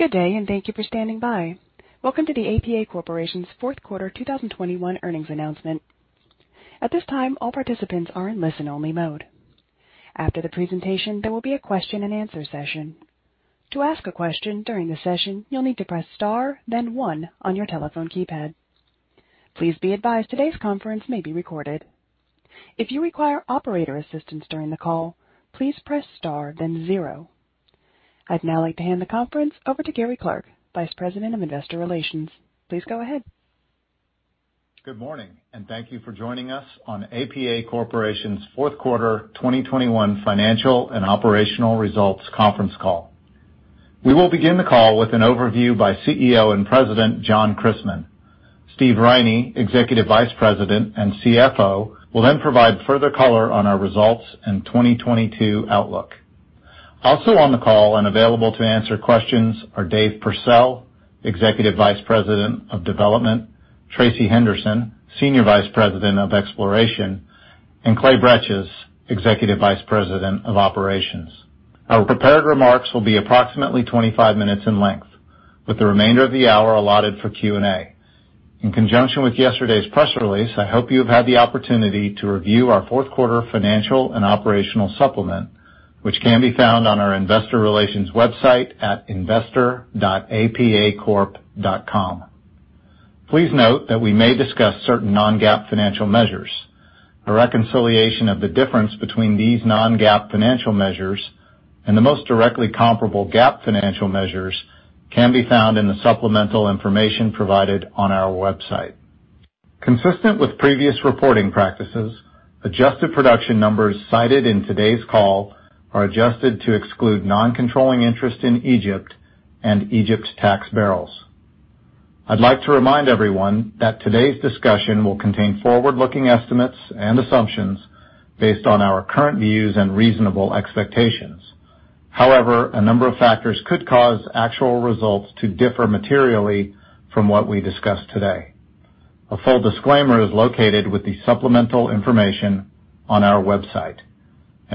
Good day, and thank you for standing by. Welcome to the APA Corporation's fourth quarter 2021 earnings announcement. At this time, all participants are in listen-only mode. After the presentation, there will be a question-and-answer session. To ask a question during the session, you'll need to press star, then one on your telephone keypad. Please be advised, today's conference may be recorded. If you require operator assistance during the call, please press star, then zero. I'd now like to hand the conference over to Gary Clark, Vice President of Investor Relations. Please go ahead. Good morning, and thank you for joining us on APA Corporation's fourth quarter 2021 financial and operational results conference call. We will begin the call with an overview by CEO and President John Christmann. Steve Riney, Executive Vice President and CFO, will then provide further color on our results and 2022 outlook. Also on the call and available to answer questions are Dave Pursell, Executive Vice President of Development, Tracey Henderson, Senior Vice President of Exploration, and Clay Bretches, Executive Vice President of Operations. Our prepared remarks will be approximately 25 minutes in length, with the remainder of the hour allotted for Q&A. In conjunction with yesterday's press release, I hope you have had the opportunity to review our fourth quarter financial and operational supplement, which can be found on our investor relations website at investor.apacorp.com. Please note that we may discuss certain non-GAAP financial measures. A reconciliation of the difference between these non-GAAP financial measures and the most directly comparable GAAP financial measures can be found in the supplemental information provided on our website. Consistent with previous reporting practices, adjusted production numbers cited in today's call are adjusted to exclude non-controlling interest in Egypt and Egypt's tax barrels. I'd like to remind everyone that today's discussion will contain forward-looking estimates and assumptions based on our current views and reasonable expectations. However, a number of factors could cause actual results to differ materially from what we discuss today. A full disclaimer is located with the supplemental information on our website.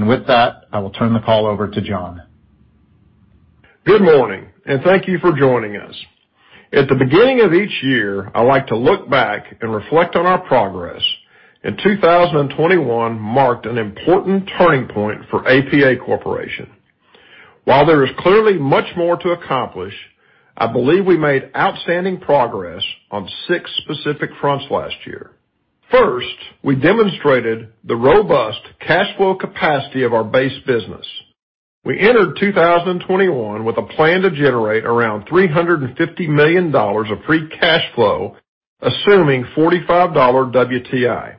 With that, I will turn the call over to John. Good morning, and thank you for joining us. At the beginning of each year, I like to look back and reflect on our progress, and 2021 marked an important turning point for APA Corporation. While there is clearly much more to accomplish, I believe we made outstanding progress on six specific fronts last year. First, we demonstrated the robust cash flow capacity of our base business. We entered 2021 with a plan to generate around $350 million of free cash flow, assuming $45 WTI.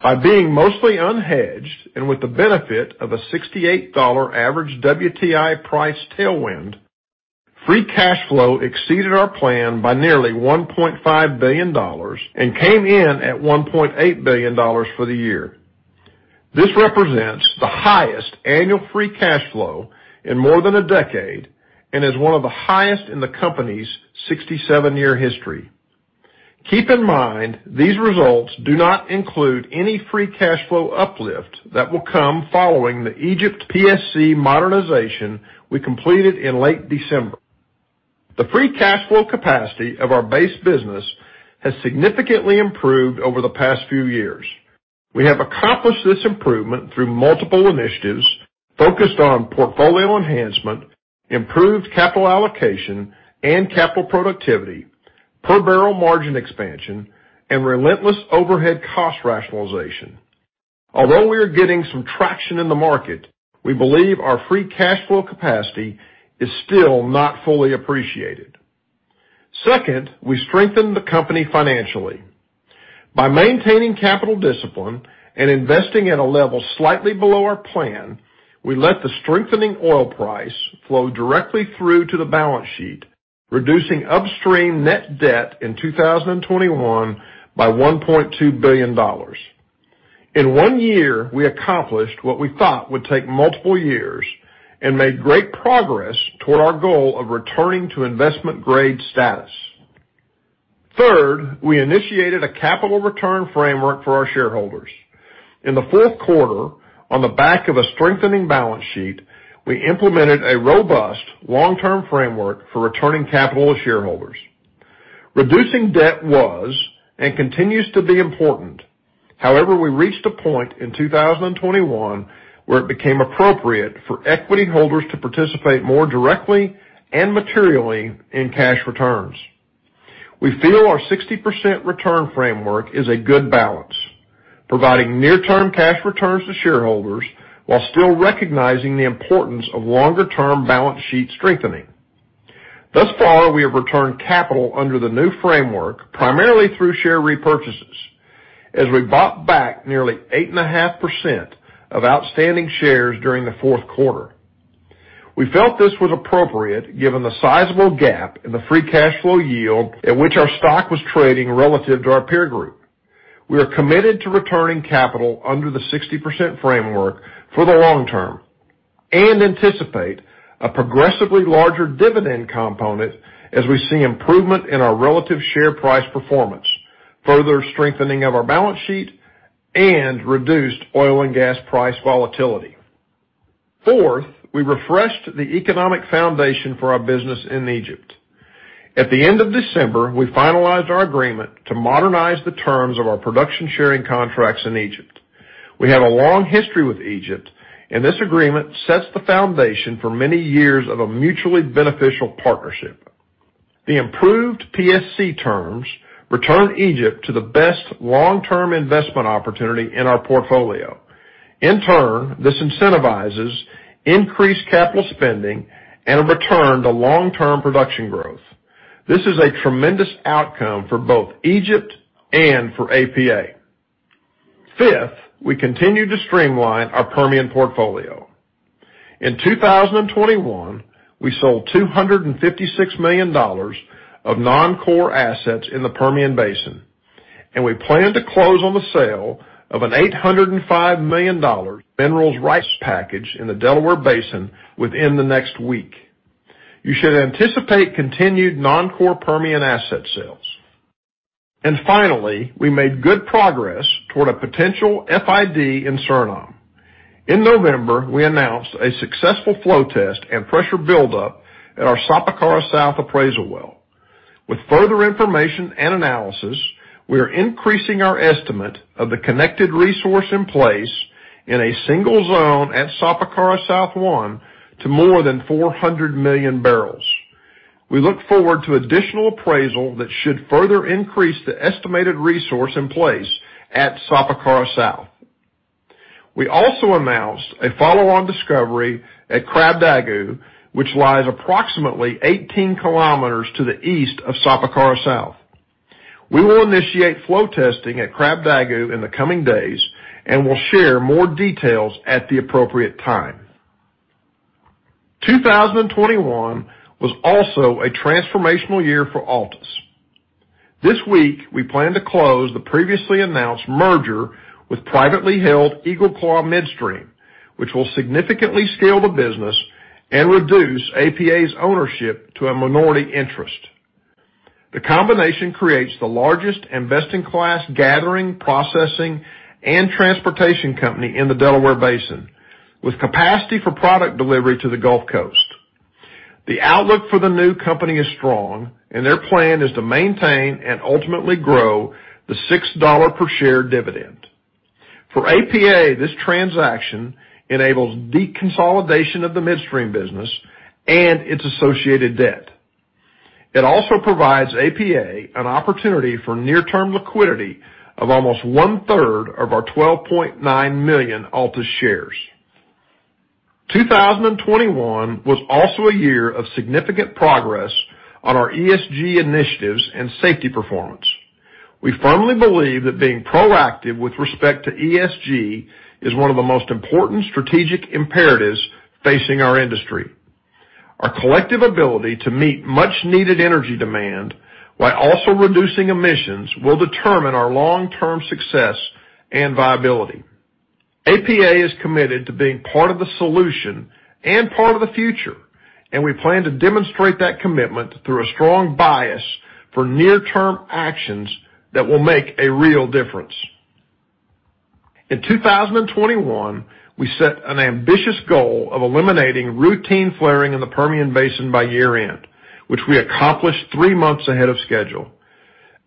By being mostly unhedged and with the benefit of a $68 average WTI price tailwind, free cash flow exceeded our plan by nearly $1.5 billion and came in at $1.8 billion for the year. This represents the highest annual free cash flow in more than a decade and is one of the highest in the company's 67-year history. Keep in mind, these results do not include any free cash flow uplift that will come following the Egypt PSC modernization we completed in late December. The free cash flow capacity of our base business has significantly improved over the past few years. We have accomplished this improvement through multiple initiatives focused on portfolio enhancement, improved capital allocation and capital productivity, per-barrel margin expansion, and relentless overhead cost rationalization. Although we are getting some traction in the market, we believe our free cash flow capacity is still not fully appreciated. Second, we strengthened the company financially. By maintaining capital discipline and investing at a level slightly below our plan, we let the strengthening oil price flow directly through to the balance sheet, reducing upstream net debt in 2021 by $1.2 billion. In one year, we accomplished what we thought would take multiple years and made great progress toward our goal of returning to investment-grade status. Third, we initiated a capital return framework for our shareholders. In the fourth quarter, on the back of a strengthening balance sheet, we implemented a robust long-term framework for returning capital to shareholders. Reducing debt was and continues to be important. However, we reached a point in 2021 where it became appropriate for equity holders to participate more directly and materially in cash returns. We feel our 60% return framework is a good balance, providing near-term cash returns to shareholders while still recognizing the importance of longer-term balance sheet strengthening. Thus far, we have returned capital under the new framework, primarily through share repurchases, as we bought back nearly 8.5% of outstanding shares during the fourth quarter. We felt this was appropriate given the sizable gap in the free cash flow yield at which our stock was trading relative to our peer group. We are committed to returning capital under the 60% framework for the long-term and anticipate a progressively larger dividend component as we see improvement in our relative share price performance, further strengthening of our balance sheet. Reduced oil and gas price volatility. Fourth, we refreshed the economic foundation for our business in Egypt. At the end of December, we finalized our agreement to modernize the terms of our production sharing contracts in Egypt. We have a long history with Egypt, and this agreement sets the foundation for many years of a mutually beneficial partnership. The improved PSC terms return Egypt to the best long-term investment opportunity in our portfolio. In turn, this incentivizes increased capital spending and a return to long-term production growth. This is a tremendous outcome for both Egypt and for APA. Fifth, we continue to streamline our Permian portfolio. In 2021, we sold $256 million of non-core assets in the Permian Basin, and we plan to close on the sale of an $805 million minerals rights package in the Delaware Basin within the next week. You should anticipate continued non-core Permian asset sales. Finally, we made good progress toward a potential FID in Suriname. In November, we announced a successful flow test and pressure buildup at our Sapakara South appraisal well. With further information and analysis, we are increasing our estimate of the connected resource in place in a single zone at Sapakara South-1 to more than 400 million barrels. We look forward to additional appraisal that should further increase the estimated resource in place at Sapakara South. We also announced a follow-on discovery at Krabdagu, which lies approximately 18 km to the east of Sapakara South. We will initiate flow testing at Krabdagu in the coming days, and we'll share more details at the appropriate time. 2021 was also a transformational year for Altus. This week, we plan to close the previously announced merger with privately held EagleClaw Midstream, which will significantly scale the business and reduce APA's ownership to a minority interest. The combination creates the largest and best-in-class gathering, processing, and transportation company in the Delaware Basin, with capacity for product delivery to the Gulf Coast. The outlook for the new company is strong, and their plan is to maintain and ultimately grow the $6-per-share dividend. For APA, this transaction enables deconsolidation of the midstream business and its associated debt. It also provides APA an opportunity for near-term liquidity of almost 1/3 of our 12.9 million Altus shares. 2021 was also a year of significant progress on our ESG initiatives and safety performance. We firmly believe that being proactive with respect to ESG is one of the most important strategic imperatives facing our industry. Our collective ability to meet much needed energy demand while also reducing emissions will determine our long-term success and viability. APA is committed to being part of the solution and part of the future, and we plan to demonstrate that commitment through a strong bias for near-term actions that will make a real difference. In 2021, we set an ambitious goal of eliminating routine flaring in the Permian Basin by year-end, which we accomplished three months ahead of schedule.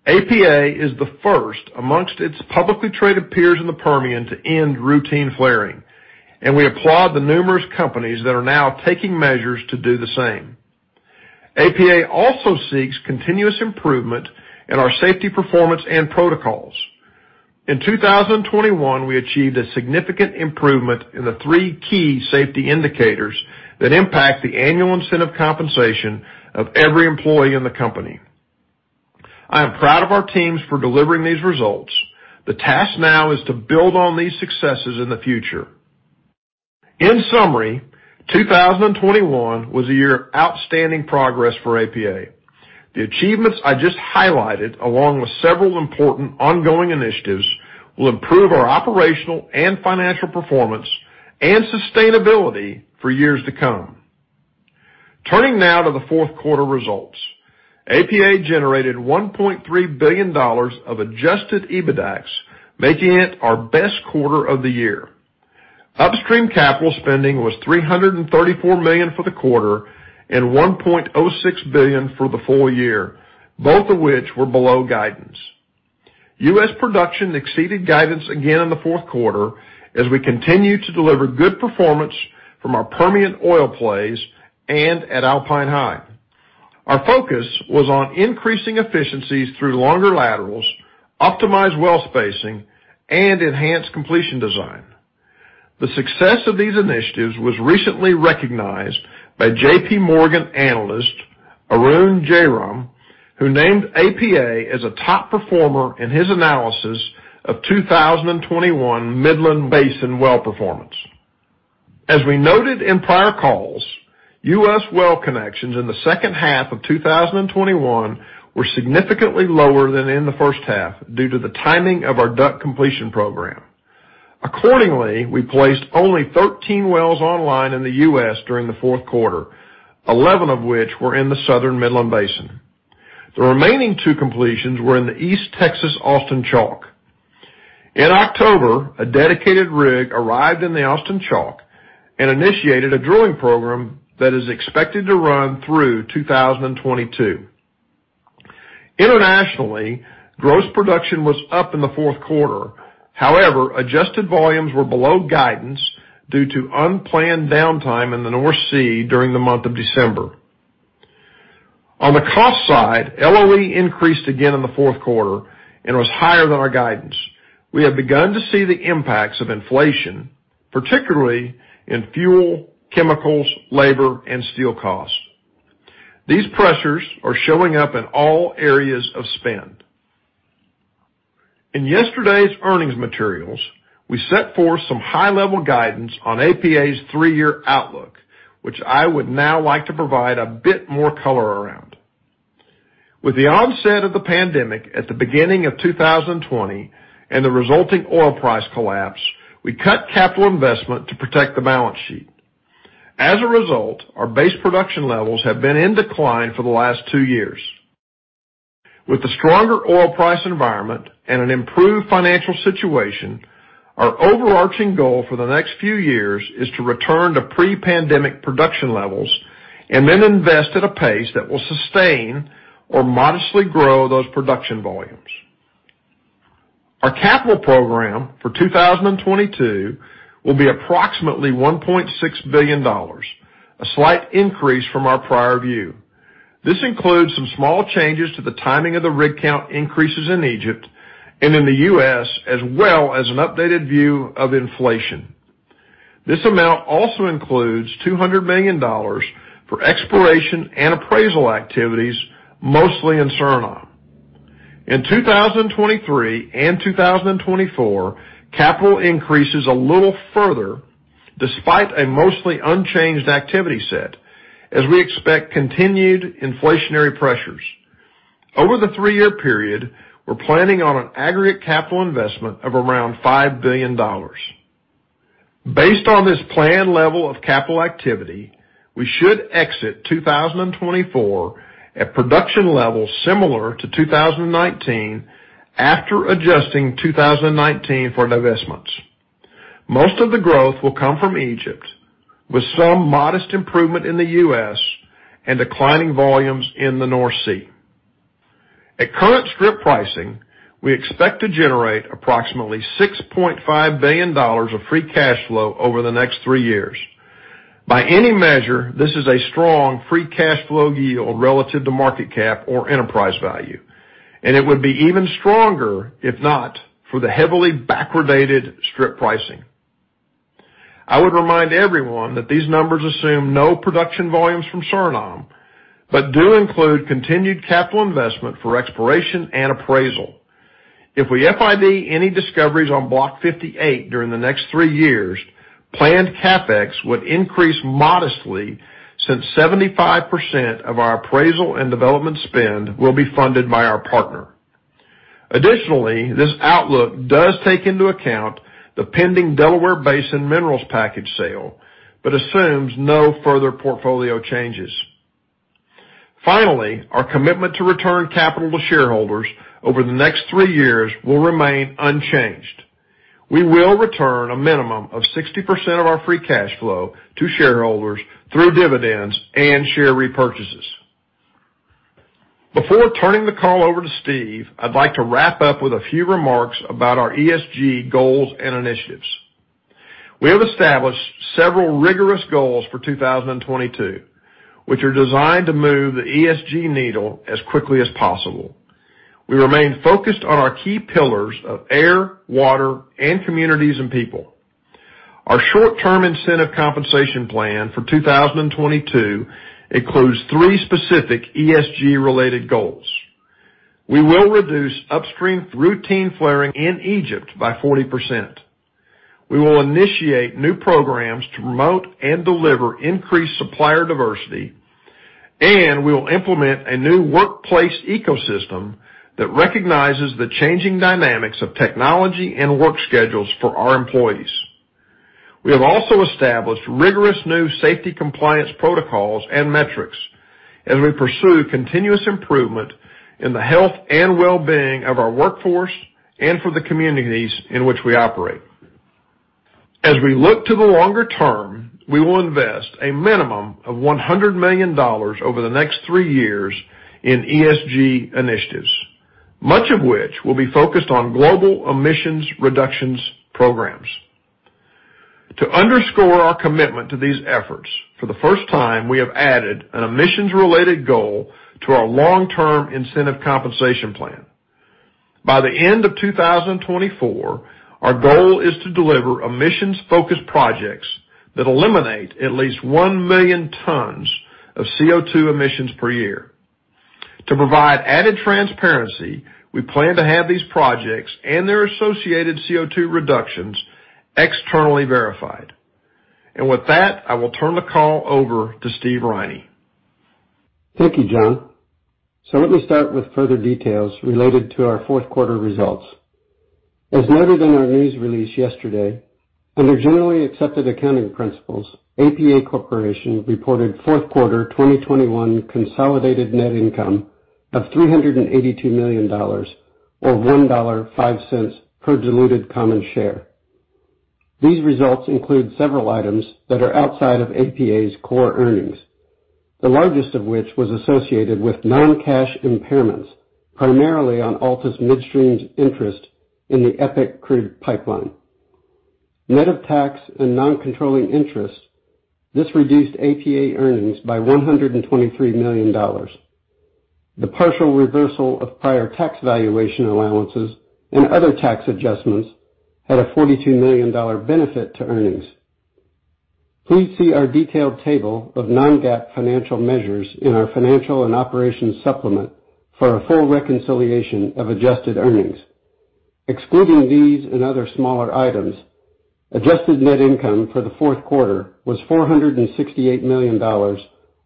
APA is the first amongst its publicly traded peers in the Permian to end routine flaring, and we applaud the numerous companies that are now taking measures to do the same. APA also seeks continuous improvement in our safety performance and protocols. In 2021, we achieved a significant improvement in the three key safety indicators that impact the annual incentive compensation of every employee in the company. I am proud of our teams for delivering these results. The task now is to build on these successes in the future. In summary, 2021 was a year of outstanding progress for APA. The achievements I just highlighted, along with several important ongoing initiatives, will improve our operational and financial performance and sustainability for years to come. Turning now to the fourth quarter results. APA generated $1.3 billion of adjusted EBITDAX, making it our best quarter of the year. Upstream capital spending was $334 million for the quarter and $1.06 billion for the full year, both of which were below guidance. U.S. production exceeded guidance again in the fourth quarter as we continue to deliver good performance from our Permian oil plays and at Alpine High. Our focus was on increasing efficiencies through longer laterals, optimized well spacing, and enhanced completion design. The success of these initiatives was recently recognized by JPMorgan Analyst Arun Jayaram, who named APA as a top performer in his analysis of 2021 Midland Basin well performance. As we noted in prior calls, U.S. well connections in the second half of 2021 were significantly lower than in the first half due to the timing of our DUC completion program. Accordingly, we placed only 13 wells online in the U.S. during the fourth quarter, 11 of which were in the Southern Midland Basin. The remaining two completions were in the East Texas Austin Chalk. In October, a dedicated rig arrived in the Austin Chalk and initiated a drilling program that is expected to run through 2022. Internationally, gross production was up in the fourth quarter. However, adjusted volumes were below guidance due to unplanned downtime in the North Sea during the month of December. On the cost side, LOE increased again in the fourth quarter and was higher than our guidance. We have begun to see the impacts of inflation, particularly in fuel, chemicals, labor, and steel costs. These pressures are showing up in all areas of spend. In yesterday's earnings materials, we set forth some high-level guidance on APA's three-year outlook, which I would now like to provide a bit more color around. With the onset of the pandemic at the beginning of 2020 and the resulting oil price collapse, we cut capital investment to protect the balance sheet. As a result, our base production levels have been in decline for the last two years. With the stronger oil price environment and an improved financial situation, our overarching goal for the next few years is to return to pre-pandemic production levels and then invest at a pace that will sustain or modestly grow those production volumes. Our capital program for 2022 will be approximately $1.6 billion, a slight increase from our prior view. This includes some small changes to the timing of the rig count increases in Egypt and in the U.S., as well as an updated view of inflation. This amount also includes $200 million for exploration and appraisal activities, mostly in Suriname. In 2023 and 2024, capital increases a little further despite a mostly unchanged activity set, as we expect continued inflationary pressures. Over the three-year period, we're planning on an aggregate capital investment of around $5 billion. Based on this planned level of capital activity, we should exit 2024 at production levels similar to 2019 after adjusting 2019 for divestments. Most of the growth will come from Egypt, with some modest improvement in the U.S. and declining volumes in the North Sea. At current strip pricing, we expect to generate approximately $6.5 billion of free cash flow over the next three years. By any measure, this is a strong free cash flow yield relative to market cap or enterprise value, and it would be even stronger if not for the heavily backwardated strip pricing. I would remind everyone that these numbers assume no production volumes from Suriname, but do include continued capital investment for exploration and appraisal. If we FID any discoveries on Block 58 during the next three years, planned CapEx would increase modestly since 75% of our appraisal and development spend will be funded by our partner. Additionally, this outlook does take into account the pending Delaware Basin minerals package sale, but assumes no further portfolio changes. Finally, our commitment to return capital to shareholders over the next three years will remain unchanged. We will return a minimum of 60% of our free cash flow to shareholders through dividends and share repurchases. Before turning the call over to Steve, I'd like to wrap up with a few remarks about our ESG goals and initiatives. We have established several rigorous goals for 2022, which are designed to move the ESG needle as quickly as possible. We remain focused on our key pillars of air, water, and communities and people. Our short-term incentive compensation plan for 2022 includes three specific ESG-related goals. We will reduce upstream routine flaring in Egypt by 40%. We will initiate new programs to promote and deliver increased supplier diversity, and we will implement a new workplace ecosystem that recognizes the changing dynamics of technology and work schedules for our employees. We have also established rigorous new safety compliance protocols and metrics as we pursue continuous improvement in the health and well-being of our workforce and for the communities in which we operate. As we look to the longer-term, we will invest a minimum of $100 million over the next three years in ESG initiatives, much of which will be focused on global emissions reductions programs. To underscore our commitment to these efforts, for the first time, we have added an emissions-related goal to our long-term incentive compensation plan. By the end of 2024, our goal is to deliver emissions-focused projects that eliminate at least 1 million tons of CO2 emissions per year. To provide added transparency, we plan to have these projects and their associated CO2 reductions externally verified. With that, I will turn the call over to Steve Riney. Thank you, John. Let me start with further details related to our fourth quarter results. As noted in our news release yesterday, under generally accepted accounting principles, APA Corporation reported fourth quarter 2021 consolidated net income of $382 million, or $1.05 per diluted common share. These results include several items that are outside of APA's core earnings, the largest of which was associated with non-cash impairments, primarily on Altus Midstream's interest in the EPIC crude pipeline. Net of tax and non-controlling interests, this reduced APA earnings by $123 million. The partial reversal of prior tax valuation allowances and other tax adjustments had a $42 million benefit to earnings. Please see our detailed table of non-GAAP financial measures in our financial and operations supplement for a full reconciliation of adjusted earnings. Excluding these and other smaller items, adjusted net income for the fourth quarter was $468 million or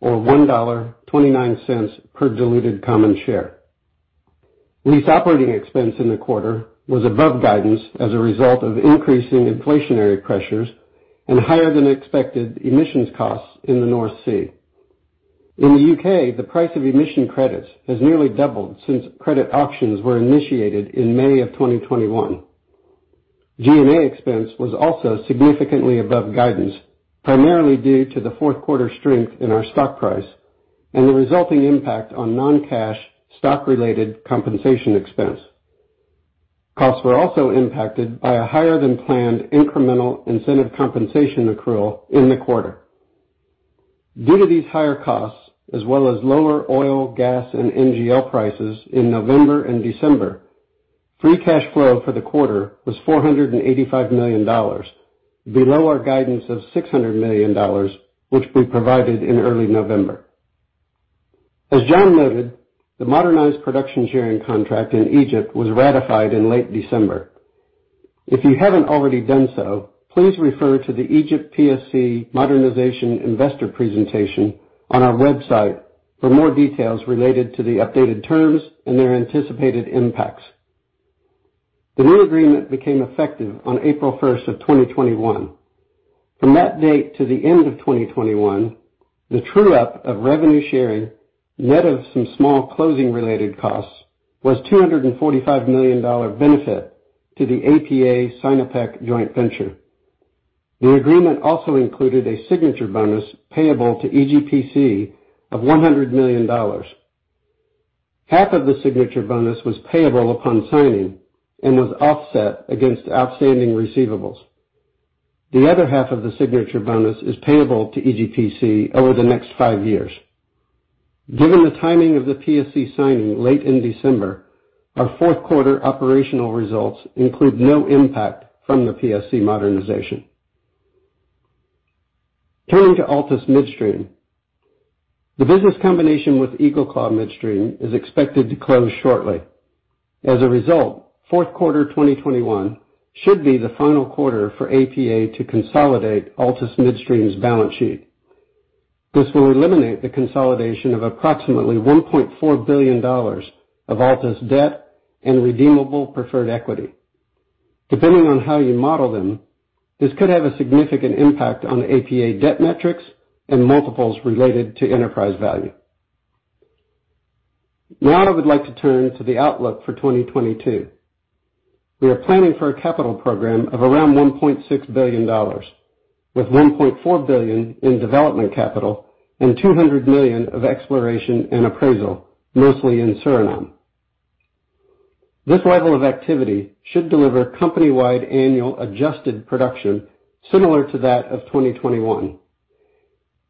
$1.29 per diluted common share. Lease operating expense in the quarter was above guidance as a result of increasing inflationary pressures and higher than expected emissions costs in the North Sea. In the U.K., the price of emission credits has nearly doubled since credit auctions were initiated in May 2021. G&A expense was also significantly above guidance, primarily due to the fourth quarter strength in our stock price and the resulting impact on non-cash stock-related compensation expense. Costs were also impacted by a higher than planned incremental incentive compensation accrual in the quarter. Due to these higher costs as well as lower oil, gas, and NGL prices in November and December, free cash flow for the quarter was $485 million, below our guidance of $600 million, which we provided in early November. As John noted, the modernized production sharing contract in Egypt was ratified in late December. If you haven't already done so, please refer to the Egypt PSC Modernization investor presentation on our website for more details related to the updated terms and their anticipated impacts. The new agreement became effective on April 1st, 2021. From that date to the end of 2021, the true up of revenue sharing, net of some small closing-related costs, was $245 million benefit to the APA Sinopec joint venture. The agreement also included a signature bonus payable to EGPC of $100 million. Half of the signature bonus was payable upon signing and was offset against outstanding receivables. The other half of the signature bonus is payable to EGPC over the next five years. Given the timing of the PSC signing late in December, our fourth quarter operational results include no impact from the PSC modernization. Turning to Altus Midstream, the business combination with EagleClaw Midstream is expected to close shortly. As a result, fourth quarter 2021 should be the final quarter for APA to consolidate Altus Midstream's balance sheet. This will eliminate the consolidation of approximately $1.4 billion of Altus debt and redeemable preferred equity. Depending on how you model them, this could have a significant impact on APA debt metrics and multiples related to enterprise value. Now I would like to turn to the outlook for 2022. We are planning for a capital program of around $1.6 billion, with $1.4 billion in development capital and $200 million of exploration and appraisal, mostly in Suriname. This level of activity should deliver company-wide annual adjusted production similar to that of 2021.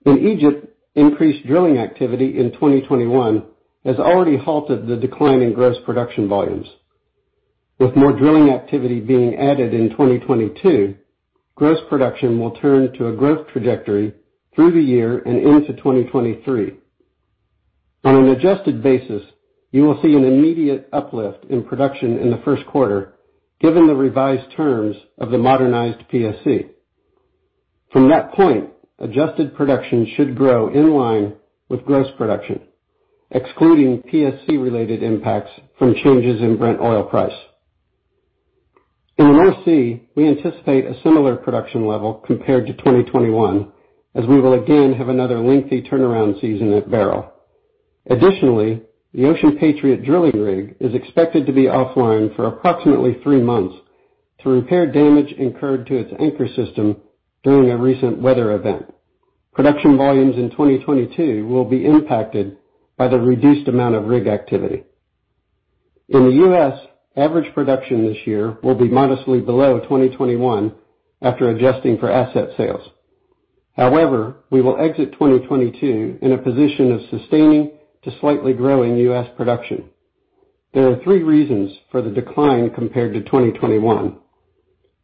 In Egypt, increased drilling activity in 2021 has already halted the decline in gross production volumes. With more drilling activity being added in 2022, gross production will turn to a growth trajectory through the year and into 2023. On an adjusted basis, you will see an immediate uplift in production in the first quarter, given the revised terms of the modernized PSC. From that point, adjusted production should grow in line with gross production, excluding PSC-related impacts from changes in Brent oil price. In the North Sea, we anticipate a similar production level compared to 2021, as we will again have another lengthy turnaround season at Beryl. Additionally, the Ocean Patriot drilling rig is expected to be offline for approximately three months to repair damage incurred to its anchor system during a recent weather event. Production volumes in 2022 will be impacted by the reduced amount of rig activity. In the U.S., average production this year will be modestly below 2021 after adjusting for asset sales. However, we will exit 2022 in a position of sustaining to slightly growing U.S. production. There are three reasons for the decline compared to 2021.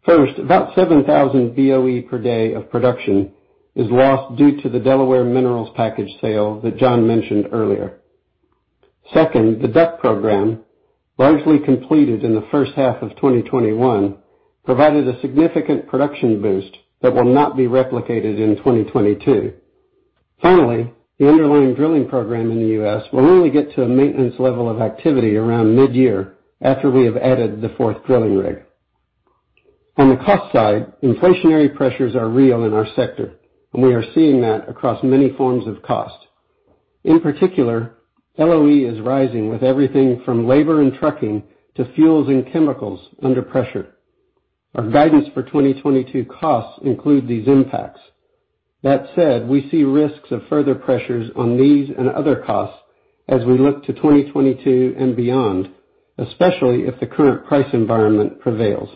First, about 7,000 BOE per day of production is lost due to the Delaware minerals package sale that John mentioned earlier. Second, the DUC program, largely completed in the first half of 2021, provided a significant production boost that will not be replicated in 2022. Finally, the underlying drilling program in the U.S. will only get to a maintenance level of activity around mid-year after we have added the fourth drilling rig. On the cost side, inflationary pressures are real in our sector, and we are seeing that across many forms of cost. In particular, LOE is rising with everything from labor and trucking to fuels and chemicals under pressure. Our guidance for 2022 costs include these impacts. That said, we see risks of further pressures on these and other costs as we look to 2022 and beyond, especially if the current price environment prevails.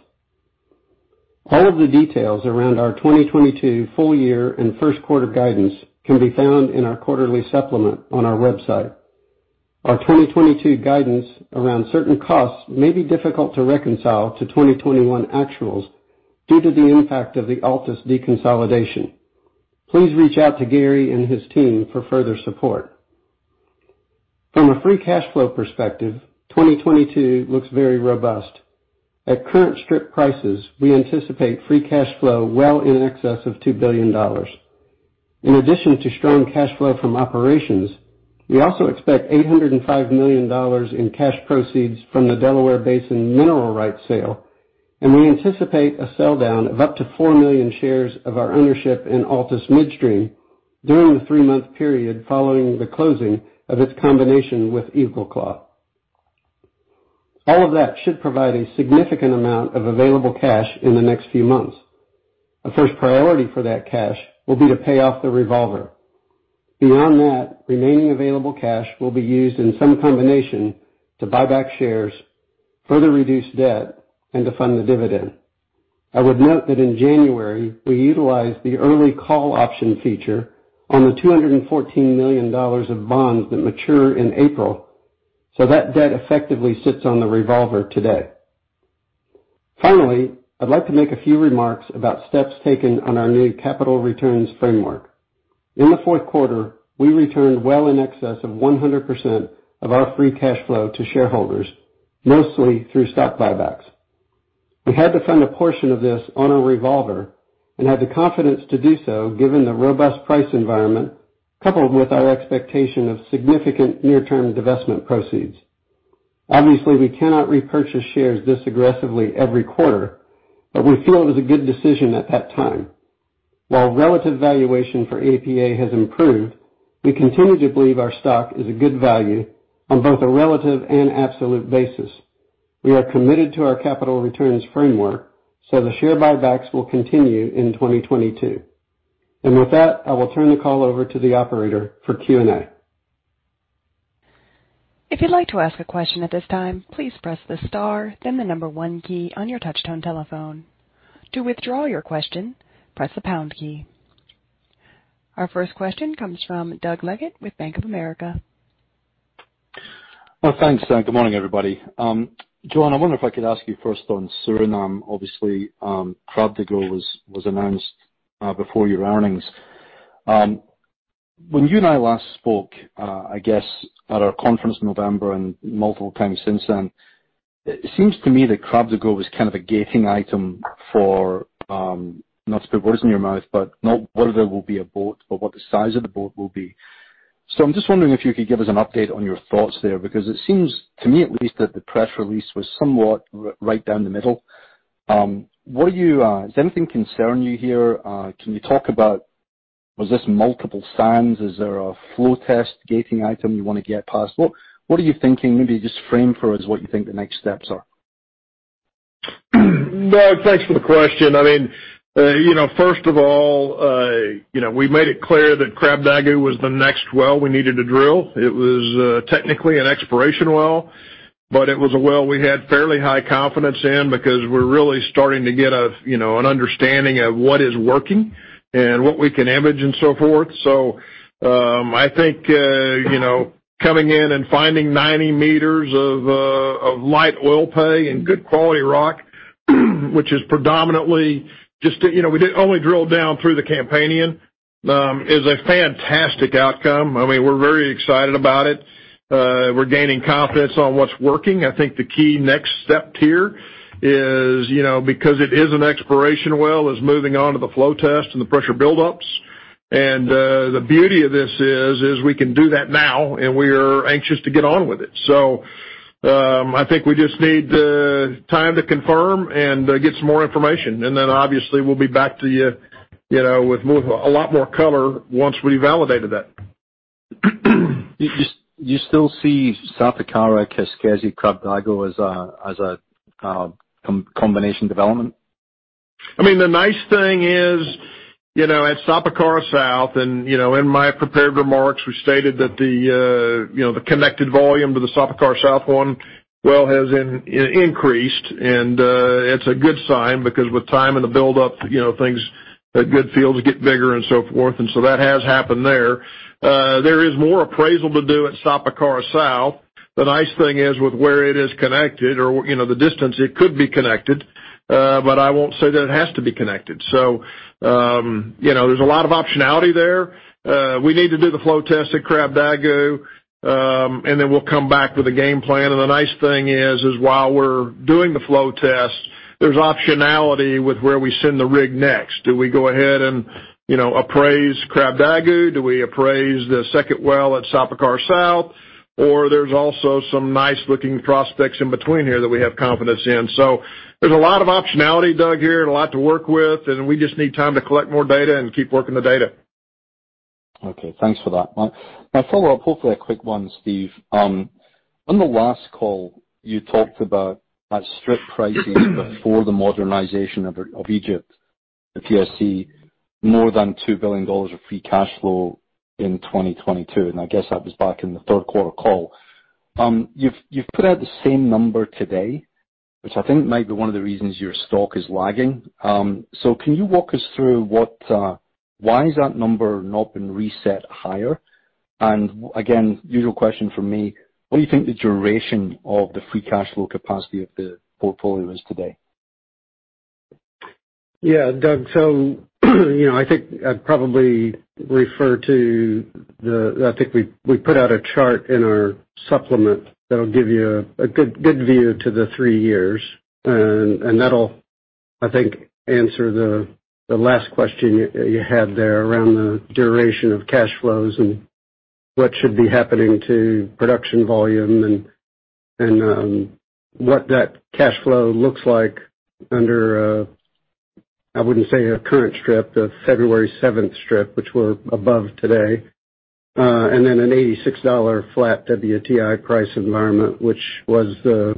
All of the details around our 2022 full year and first quarter guidance can be found in our quarterly supplement on our website. Our 2022 guidance around certain costs may be difficult to reconcile to 2021 actuals due to the impact of the Altus deconsolidation. Please reach out to Gary and his team for further support. From a free cash flow perspective, 2022 looks very robust. At current strip prices, we anticipate free cash flow well in excess of $2 billion. In addition to strong cash flow from operations, we also expect $805 million in cash proceeds from the Delaware Basin mineral rights sale, and we anticipate a sell-down of up to 4 million shares of our ownership in Altus Midstream during the three-month period following the closing of its combination with EagleClaw. All of that should provide a significant amount of available cash in the next few months. The first priority for that cash will be to pay off the revolver. Beyond that, remaining available cash will be used in some combination to buy back shares, further reduce debt, and to fund the dividend. I would note that in January, we utilized the early call option feature on the $214 million of bonds that mature in April, so that debt effectively sits on the revolver today. Finally, I'd like to make a few remarks about steps taken on our new capital returns framework. In the fourth quarter, we returned well in excess of 100% of our free cash flow to shareholders, mostly through stock buybacks. We had to fund a portion of this on a revolver and had the confidence to do so given the robust price environment, coupled with our expectation of significant near-term divestment proceeds. Obviously, we cannot repurchase shares this aggressively every quarter, but we feel it was a good decision at that time. While relative valuation for APA has improved, we continue to believe our stock is a good value on both a relative and absolute basis. We are committed to our capital returns framework, so the share buybacks will continue in 2022. With that, I will turn the call over to the operator for Q&A. Our first question comes from Doug Leggate with Bank of America. Well, thanks. Good morning, everybody. John, I wonder if I could ask you first on Suriname, obviously, Krabdagu was announced before your earnings. When you and I last spoke, I guess at our conference in November and multiple times since then, it seems to me that Krabdagu is kind of a gating item for, not to put words in your mouth, but not whether there will be a boat, but what the size of the boat will be. I'm just wondering if you could give us an update on your thoughts there, because it seems, to me at least, that the press release was somewhat right down the middle. What are you? Does anything concern you here? Can you talk about, was this multiple sands? Is there a flow test gating item you wanna get past? What are you thinking? Maybe just frame for us what you think the next steps are. Doug, thanks for the question. I mean, you know, first of all, you know, we made it clear that Krabdagu was the next well we needed to drill. It was, technically an exploration well, but it was a well we had fairly high confidence in because we're really starting to get a, you know, an understanding of what is working and what we can image and so forth. I think, you know, coming in and finding 90 m of light oil pay and good quality rock, which is predominantly just, you know, we did only drill down through the Campanian, is a fantastic outcome. I mean, we're very excited about it. We're gaining confidence on what's working. I think the key next step here is, you know, because it is an exploration well, moving on to the flow test and the pressure buildups. The beauty of this is we can do that now, and we are anxious to get on with it. I think we just need the time to confirm and get some more information. Then obviously, we'll be back to you know, with a lot more color once we validated that. Do you still see Sapakara, Keskesi, Krabdagu as a combination development? I mean, the nice thing is, you know, at Sapakara South and, you know, in my prepared remarks, we stated that the, you know, the connected volume to the Sapakara South one well has increased and, it's a good sign because with time and the buildup, you know, things, good fields get bigger and so forth. That has happened there. There is more appraisal to do at Sapakara South. The nice thing is with where it is connected or, you know, the distance it could be connected. I won't say that it has to be connected. You know, there's a lot of optionality there. We need to do the flow test at Krabdagu, and then we'll come back with a game plan. The nice thing is while we're doing the flow test, there's optionality with where we send the rig next. Do we go ahead and, you know, appraise Krabdagu? Do we appraise the second well at Sapakara South? Or there's also some nice-looking prospects in between here that we have confidence in. There's a lot of optionality, Doug, here and a lot to work with, and we just need time to collect more data and keep working the data. Okay, thanks for that. My follow-up, hopefully a quick one, Steve. On the last call, you talked about that strip pricing before the modernization of Egypt, if you see more than $2 billion of free cash flow in 2022, and I guess that was back in the third quarter call. You've put out the same number today, which I think might be one of the reasons your stock is lagging. Can you walk us through why is that number not been reset higher? Again, usual question from me, what do you think the duration of the free cash flow capacity of the portfolio is today? Yeah, Doug. You know, I think I'd probably refer to the chart in our supplement that'll give you a good view of the three years. That'll answer the last question you had there around the duration of cash flows and what should be happening to production volume and what that cash flow looks like under the February 7 strip, which we're above today, and then an $86 flat WTI price environment, which was the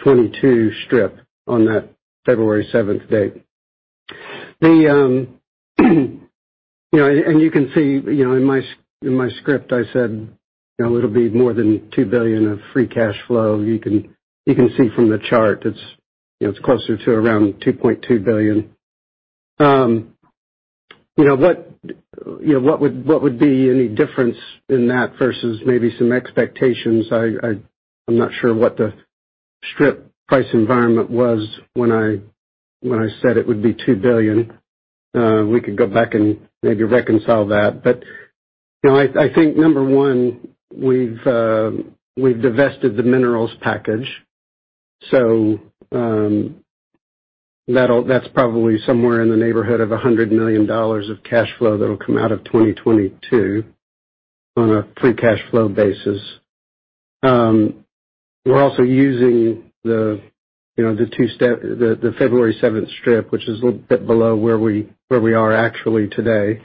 2022 strip on that February 7 date. You know, you can see in my script. I said it'll be more than $2 billion of free cash flow. You can see from the chart it's closer to around $2.2 billion. You know, what would be any difference in that versus maybe some expectations? I'm not sure what the strip price environment was when I said it would be $2 billion. We could go back and maybe reconcile that. You know, I think, number one, we've divested the minerals package, so that's probably somewhere in the neighborhood of $100 million of cash flow that'll come out of 2022 on a free cash flow basis. We're also using the February seventh strip, which is a little bit below where we are actually today.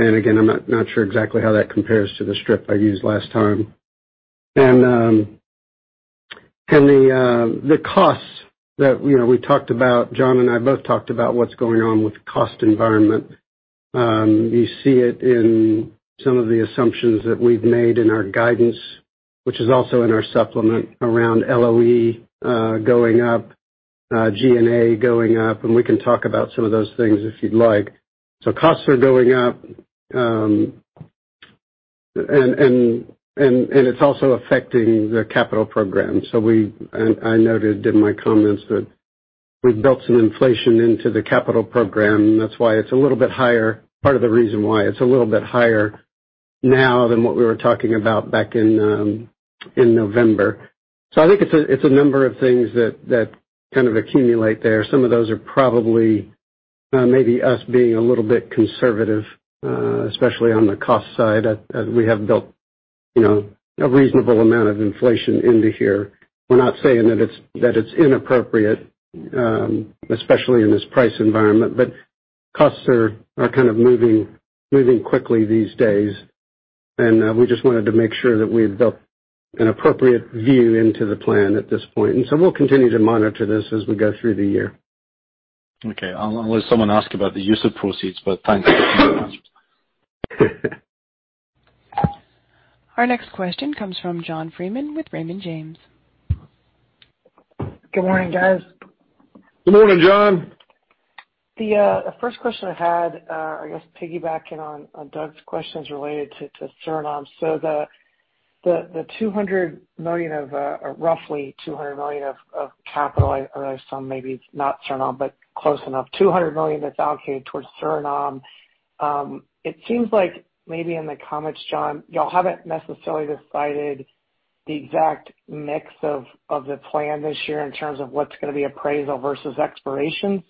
I'm not sure exactly how that compares to the strip I used last time. The costs that, you know, we talked about, John and I both talked about what's going on with the cost environment. You see it in some of the assumptions that we've made in our guidance, which is also in our supplement around LOE going up, G&A going up, and we can talk about some of those things if you'd like. Costs are going up, and it's also affecting the capital program. I noted in my comments that we've built some inflation into the capital program. That's why it's a little bit higher, part of the reason why it's a little bit higher now than what we were talking about back in November. I think it's a number of things that kind of accumulate there. Some of those are probably maybe us being a little bit conservative especially on the cost side, as we have built, you know, a reasonable amount of inflation into here. We're not saying that it's inappropriate especially in this price environment, but costs are kind of moving quickly these days. We just wanted to make sure that we had built an appropriate view into the plan at this point. We'll continue to monitor this as we go through the year. Okay. I'll let someone ask about the use of proceeds, but thanks. Our next question comes from John Freeman with Raymond James. Good morning, guys. Good morning, John. The first question I had, I guess piggybacking on Doug's questions related to Suriname. The roughly $200 million of capital, or some maybe it's not Suriname, but close enough, $200 million that's allocated towards Suriname. It seems like maybe in the comments, John, y'all haven't necessarily decided the exact mix of the plan this year in terms of what's gonna be appraisal versus exploration.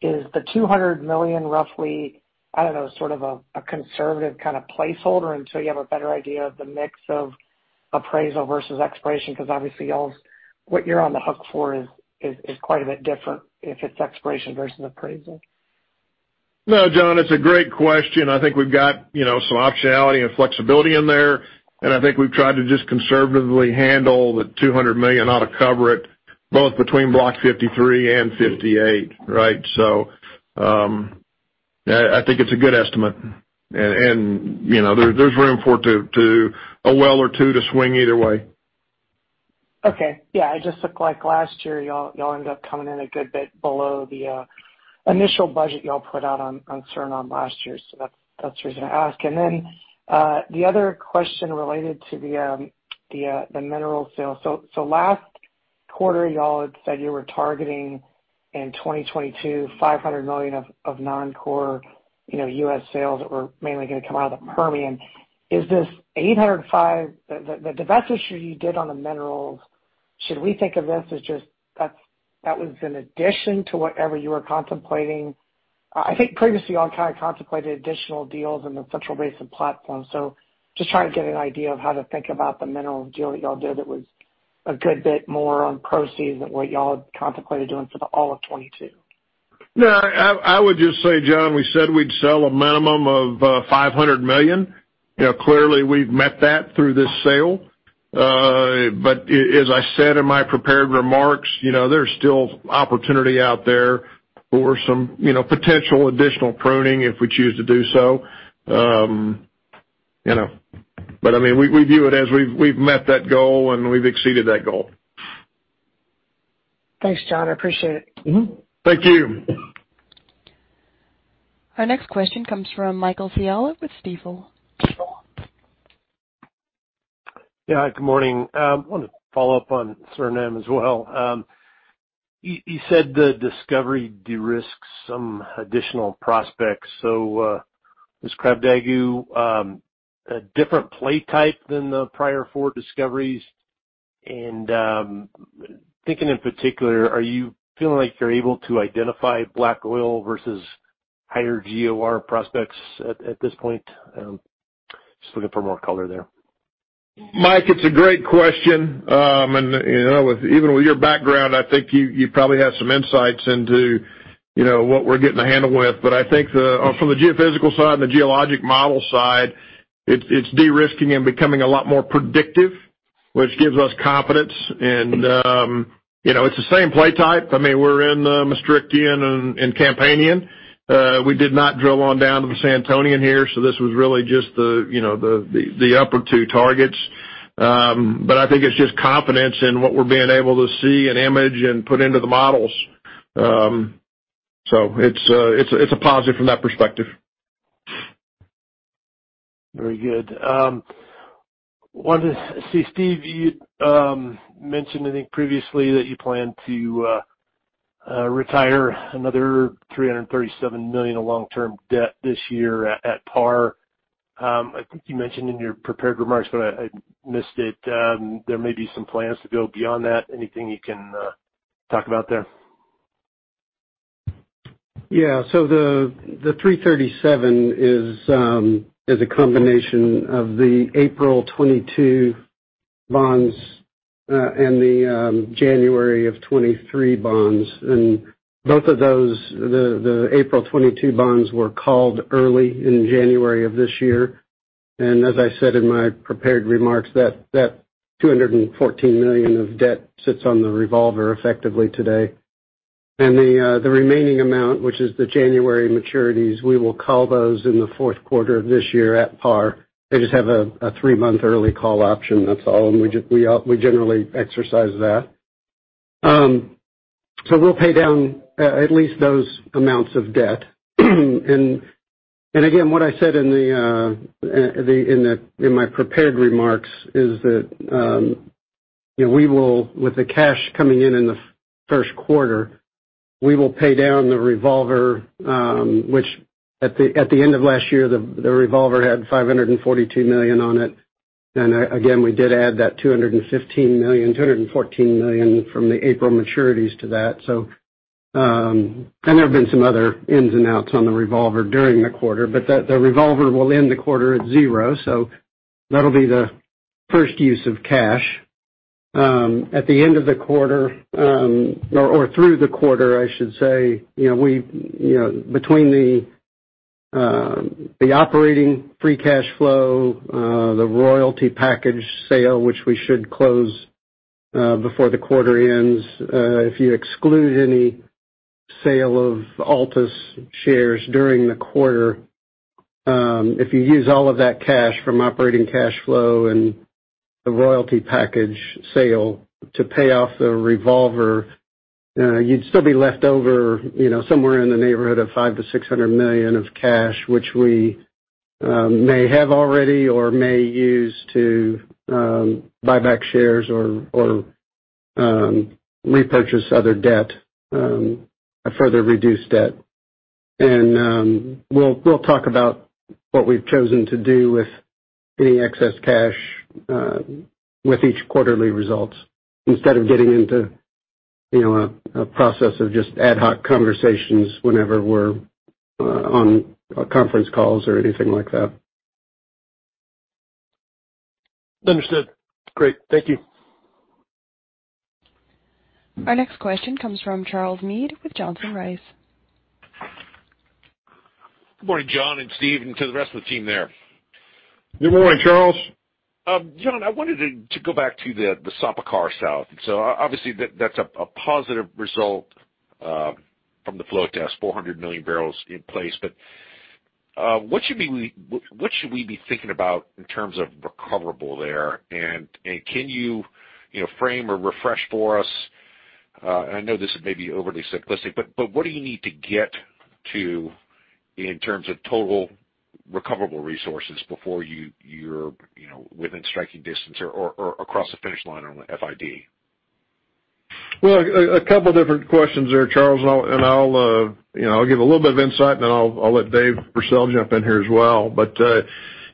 Is the $200 million roughly, I don't know, sort of a conservative kind of placeholder until you have a better idea of the mix of appraisal versus exploration? 'Cause obviously, y'all's, what you're on the hook for is quite a bit different if it's exploration versus appraisal. No, John, it's a great question. I think we've got, you know, some optionality and flexibility in there, and I think we've tried to just conservatively handle the $200 million ought to cover it, both between Block 53 and 58, right? Yeah, I think it's a good estimate. You know, there's room for it to a well or two to swing either way. Okay. Yeah. It just looked like last year, y'all ended up coming in a good bit below the initial budget y'all put out on Suriname last year, that's the reason I ask. Then the other question related to the mineral sales. Last quarter, y'all had said you were targeting in 2022 $500 million of non-core, you know, US sales that were mainly gonna come out of the Permian. The divestiture you did on the minerals, should we think of this as just that was in addition to whatever you were contemplating? I think previously y'all kind of contemplated additional deals in the Central Basin Platform. Just trying to get an idea of how to think about the mineral deal that y'all did that was a good bit more on proceeds than what y'all had contemplated doing for all of 2022. No, I would just say, John, we said we'd sell a minimum of $500 million. You know, clearly we've met that through this sale. But as I said in my prepared remarks, you know, there's still opportunity out there for some potential additional pruning if we choose to do so. You know. But I mean we view it as we've met that goal and we've exceeded that goal. Thanks, John. I appreciate it. Mm-hmm. Thank you. Our next question comes from Michael Scialla with Stifel. Yeah. Good morning. I want to follow-up on Suriname as well. You said the discovery de-risks some additional prospects, so is Krabdagu a different play type than the prior four discoveries? Thinking in particular, are you feeling like you're able to identify black oil versus higher GOR prospects at this point? Just looking for more color there. Mike, it's a great question. You know, with your background, I think you probably have some insights into, you know, what we're getting a handle with. I think from the geophysical side and the geologic model side, it's de-risking and becoming a lot more predictive, which gives us confidence and, you know, it's the same play type. I mean, we're in the Maastrichtian and Campanian. We did not drill down to the Santonian here, so this was really just the, you know, the upper two targets. I think it's just confidence in what we're being able to see and image and put into the models. It's a positive from that perspective. Very good. Wanted to see Steve, you mentioned I think previously that you plan to retire another $337 million of long-term debt this year at par. I think you mentioned in your prepared remarks, but I missed it. There may be some plans to go beyond that. Anything you can talk about there? Yeah. The $337 million is a combination of the April 2022 bonds and the January 2023 bonds. Both of those, the April 2022 bonds were called early in January of this year. As I said in my prepared remarks, that $214 million of debt sits on the revolver effectively today. The remaining amount, which is the January maturities, we will call those in the fourth quarter of this year at par. They just have a three-month early call option, that's all. We just generally exercise that. We'll pay down at least those amounts of debt. Again, what I said in my prepared remarks is that, you know, we will, with the cash coming in in the first quarter, pay down the revolver, which at the end of last year, the revolver had $542 million on it. Again, we did add that $215 million, $214 million from the April maturities to that. There have been some other ins and outs on the revolver during the quarter, but the revolver will end the quarter at zero, so that'll be the first use of cash. At the end of the quarter, through the quarter, I should say, you know, we, you know, between the operating free cash flow, the royalty package sale, which we should close before the quarter ends, if you exclude any sale of Altus shares during the quarter, if you use all of that cash from operating cash flow and the royalty package sale to pay off the revolver, you'd still be left over, you know, somewhere in the neighborhood of $500 million-$600 million of cash, which we may have already or may use to buy back shares or repurchase other debt or further reduce debt. We'll talk about what we've chosen to do with any excess cash with each quarterly results instead of getting into, you know, a process of just ad hoc conversations whenever we're on conference calls or anything like that. Understood. Great. Thank you. Our next question comes from Charles Meade with Johnson Rice. Good morning, John and Steve, and to the rest of the team there. Good morning, Charles. John, I wanted to go back to the Sapakara South. Obviously that's a positive result from the flow test, 400 million barrels in place, but What should we be thinking about in terms of recoverable there? Can you know, frame or refresh for us, and I know this may be overly simplistic, but what do you need to get to in terms of total recoverable resources before you're, you know, within striking distance or across the finish line on FID? Well, a couple different questions there, Charles, and I'll, you know, I'll give a little bit of insight and then I'll let Dave Pursell jump in here as well.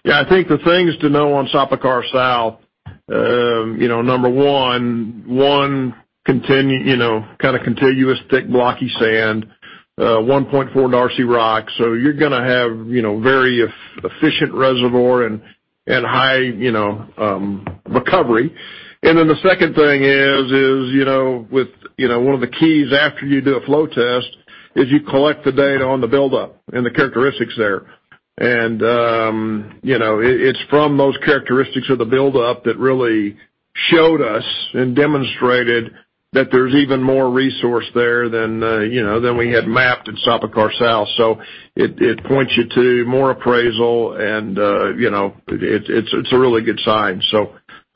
Yeah, I think the things to know on Sapakara South, you know, number one continuous, you know, kind of contiguous thick blocky sand, 1.4 Darcy rock. So you're gonna have, you know, very efficient reservoir and high, you know, recovery. Then the second thing is, you know, with, you know, one of the keys after you do a flow test is you collect the data on the buildup and the characteristics there. You know, it's from those characteristics of the buildup that really showed us and demonstrated that there's even more resource there than you know, than we had mapped in Sapakara South. It points you to more appraisal and you know, it's a really good sign.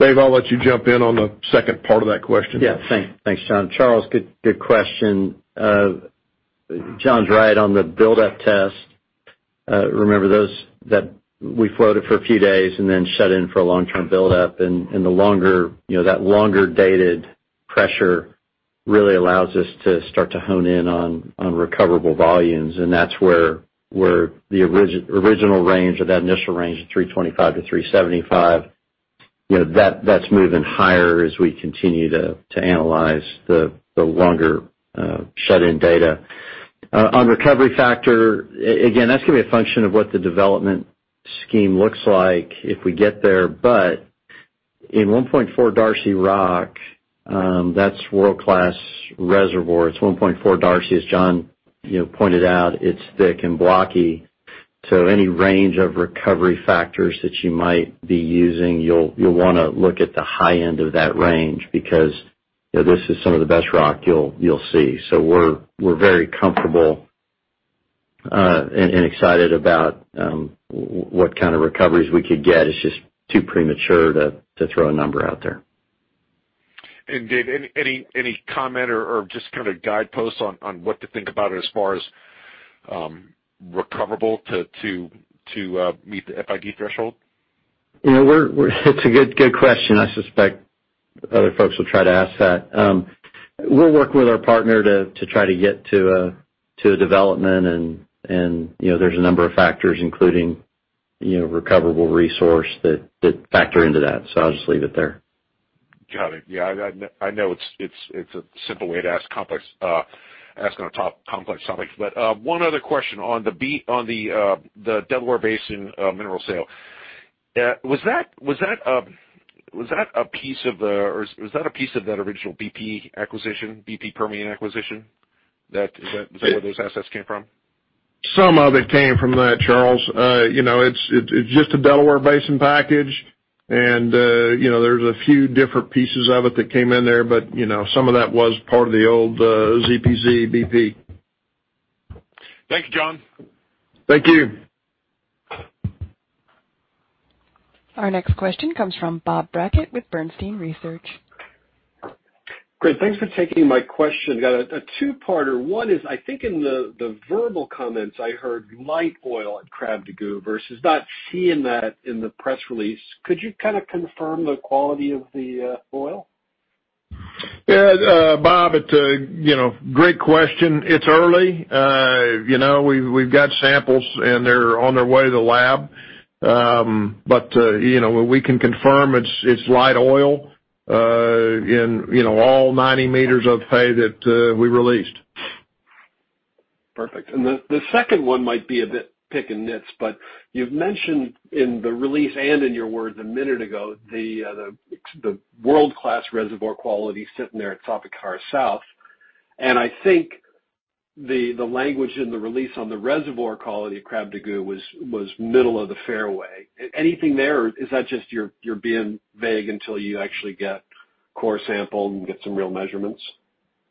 Dave, I'll let you jump in on the second part of that question. Yeah. Thanks. Thanks, John. Charles, good question. John's right on the buildup test. Remember those that we floated for a few days and then shut in for a long-term buildup, and the longer you know that longer dated pressure really allows us to start to hone in on recoverable volumes. That's where the original range or that initial range of 325-375 you know that's moving higher as we continue to analyze the longer shut-in data. On recovery factor, again, that's gonna be a function of what the development scheme looks like if we get there. But in 1.4 Darcy rock, that's world-class reservoirs. 1.4 Darcy, as John you know pointed out, it's thick and blocky. Any range of recovery factors that you might be using, you'll wanna look at the high end of that range because, you know, this is some of the best rock you'll see. We're very comfortable and excited about what kind of recoveries we could get. It's just too premature to throw a number out there. Dave, any comment or just kind of guideposts on what to think about it as far as recoverable to meet the FID threshold? You know, it's a good question. I suspect other folks will try to ask that. We'll work with our partner to try to get to a development. You know, there's a number of factors including recoverable resource that factor into that, so I'll just leave it there. Got it. Yeah, I know it's a simple way to ask about a complex topic. One other question on the Delaware Basin mineral sale. Was that a piece of that original BP Permian acquisition that- Yeah. This is where those assets came from? Some of it came from that, Charles. You know, it's just a Delaware Basin package and, you know, there's a few different pieces of it that came in there, but, you know, some of that was part of the old ZPZ BP. Thanks, John. Thank you. Our next question comes from Bob Brackett with Bernstein Research. Great. Thanks for taking my question. Got a two-parter. One is, I think in the verbal comments I heard light oil at Krabdagu versus not seeing that in the press release. Could you kind of confirm the quality of the oil? Yeah, Bob, you know, great question. It's early. You know, we've got samples and they're on their way to the lab. But you know, we can confirm it's light oil in you know, all 90 m of pay that we released. Perfect. Then the second one might be a bit picking nits, but you've mentioned in the release and in your words a minute ago, the world-class reservoir quality sitting there at Sapakara South. I think the language in the release on the reservoir quality at Krabdagu was middle of the fairway. Anything there or is that just you're being vague until you actually get core sample and get some real measurements?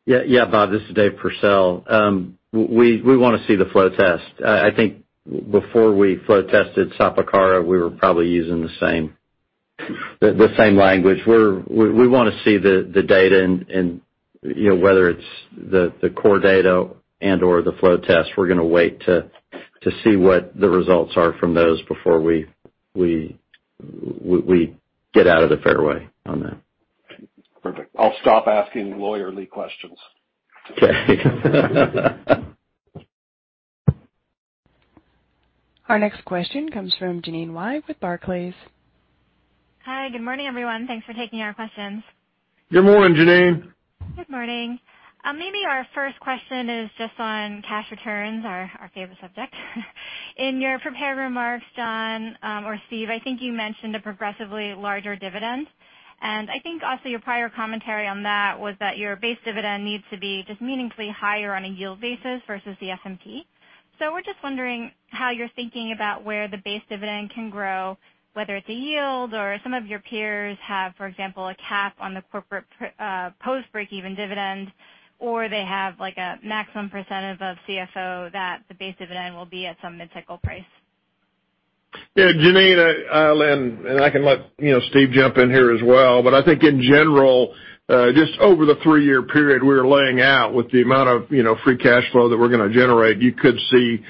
Yeah, Bob, this is Dave Pursell. We wanna see the flow test. I think before we flow tested Sapakara, we were probably using the same language. We wanna see the data and you know whether it's the core data and/or the flow test. We're gonna wait to see what the results are from those before we get out of the fairway on that. Perfect. I'll stop asking lawyerly questions. Okay. Our next question comes from Jeanine Wai with Barclays. Hi. Good morning, everyone. Thanks for taking our questions. Good morning, Jeanine. Good morning. Maybe our first question is just on cash returns, our favorite subject. In your prepared remarks, John, or Steve, I think you mentioned a progressively larger dividend. I think also your prior commentary on that was that your base dividend needs to be just meaningfully higher on a yield basis versus the S&P. We're just wondering how you're thinking about where the base dividend can grow, whether it's a yield or some of your peers have, for example, a cap on the corporate, post break-even dividend, or they have like a maximum percentage of CFO that the base dividend will be at some mid-cycle price. Yeah, Jeanine, I can let Steve jump in here as well. I think in general, just over the three-year period we are laying out with the amount of, you know, free cash flow that we're gonna generate, you could see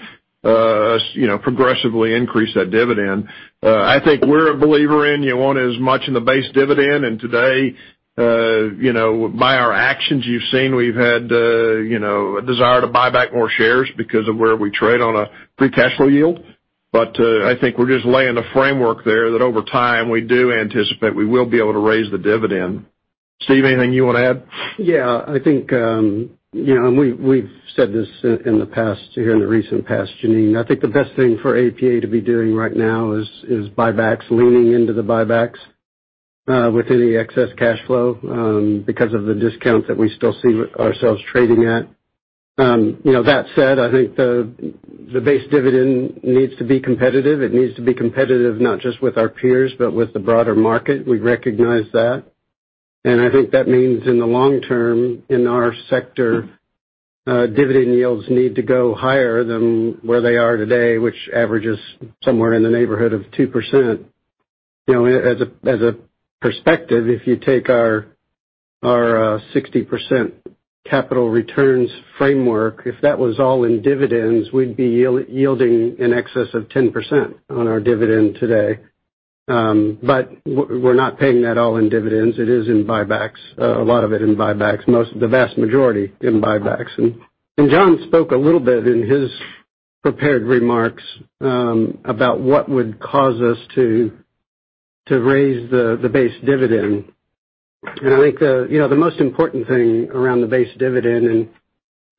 us, you know, progressively increase that dividend. I think we're a believer in you want as much in the base dividend. Today, you know, by our actions, you've seen we've had, you know, a desire to buy back more shares because of where we trade on a free cash flow yield. I think we're just laying the framework there that over time, we do anticipate we will be able to raise the dividend. Steve, anything you wanna add? Yeah. I think, you know, we have said this in the past, here in the recent past, Jeanine, I think the best thing for APA to be doing right now is buybacks, leaning into the buybacks, with any excess cash flow, because of the discounts that we still see ourselves trading at. You know, that said, I think the base dividend needs to be competitive. It needs to be competitive, not just with our peers, but with the broader market. We recognize that. I think that means in the long-term, in our sector, dividend yields need to go higher than where they are today, which averages somewhere in the neighborhood of 2%. You know, as a perspective, if you take our 60% capital returns framework, if that was all in dividends, we'd be yielding in excess of 10% on our dividend today. We're not paying that all in dividends. It is in buybacks, a lot of it in buybacks, most the vast majority in buybacks. John spoke a little bit in his prepared remarks about what would cause us to raise the base dividend. I think you know, the most important thing around the base dividend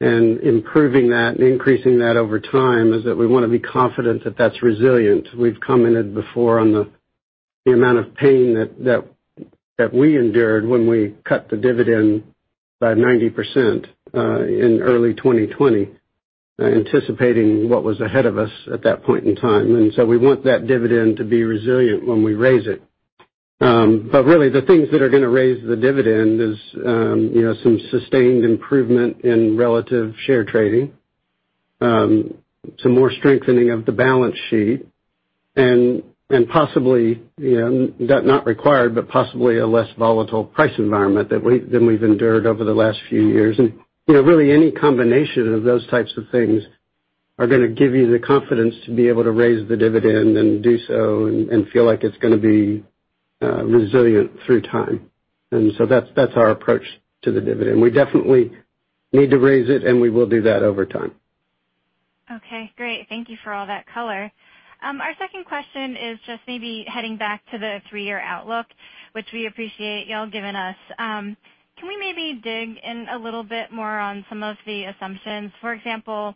and improving that and increasing that over time is that we wanna be confident that that's resilient. We've commented before on the amount of pain that we endured when we cut the dividend by 90% in early 2020, anticipating what was ahead of us at that point in time. We want that dividend to be resilient when we raise it. Really the things that are gonna raise the dividend is some sustained improvement in relative share trading, some more strengthening of the balance sheet, and possibly that's not required, but possibly a less volatile price environment than we've endured over the last few years. Really any combination of those types of things are gonna give you the confidence to be able to raise the dividend and do so and feel like it's gonna be resilient through time. That's our approach to the dividend. We definitely need to raise it, and we will do that over time. Okay, great. Thank you for all that color. Our second question is just maybe heading back to the three-year outlook, which we appreciate y'all giving us. Can we maybe dig in a little bit more on some of the assumptions? For example,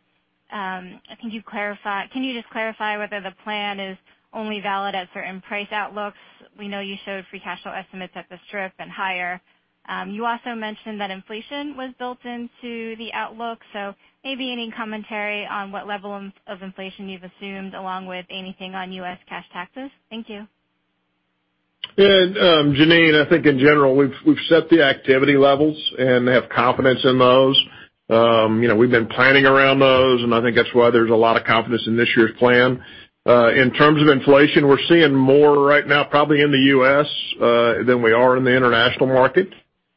I think you clarified. Can you just clarify whether the plan is only valid at certain price outlooks? We know you showed free cash flow estimates at the strip and higher. You also mentioned that inflation was built into the outlook. Maybe any commentary on what level of inflation you've assumed, along with anything on U.S. cash taxes? Thank you. Yeah. Jeanine Wai, I think in general, we've set the activity levels and have confidence in those. You know, we've been planning around those, and I think that's why there's a lot of confidence in this year's plan. In terms of inflation, we're seeing more right now probably in the U.S. than we are in the international market.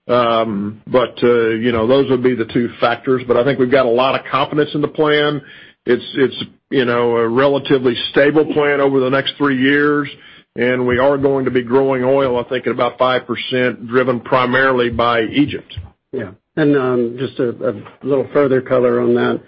But you know, those would be the two factors. I think we've got a lot of confidence in the plan. It's you know, a relatively stable plan over the next three years, and we are going to be growing oil, I think at about 5%, driven primarily by Egypt. Yeah. Just a little further color on that.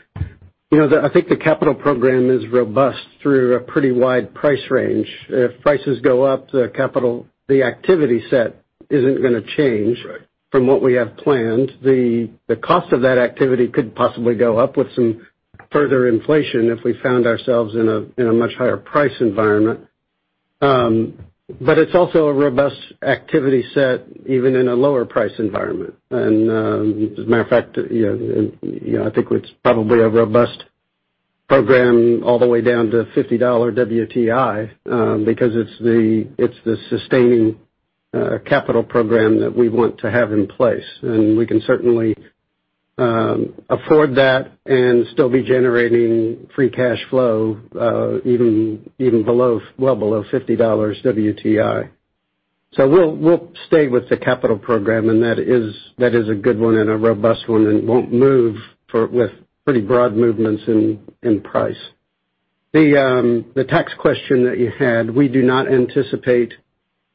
You know, I think the capital program is robust through a pretty wide price range. If prices go up, the capital, the activity set isn't gonna change. Right From what we have planned. The cost of that activity could possibly go up with some further inflation if we found ourselves in a much higher price environment. It's also a robust activity set even in a lower price environment. As a matter of fact, you know, I think it's probably a robust program all the way down to $50 WTI, because it's the sustaining capital program that we want to have in place. We can certainly afford that and still be generating free cash flow, even below, well below $50 WTI. We'll stay with the capital program, and that is a good one and a robust one and won't move with pretty broad movements in price. The tax question that you had, we do not anticipate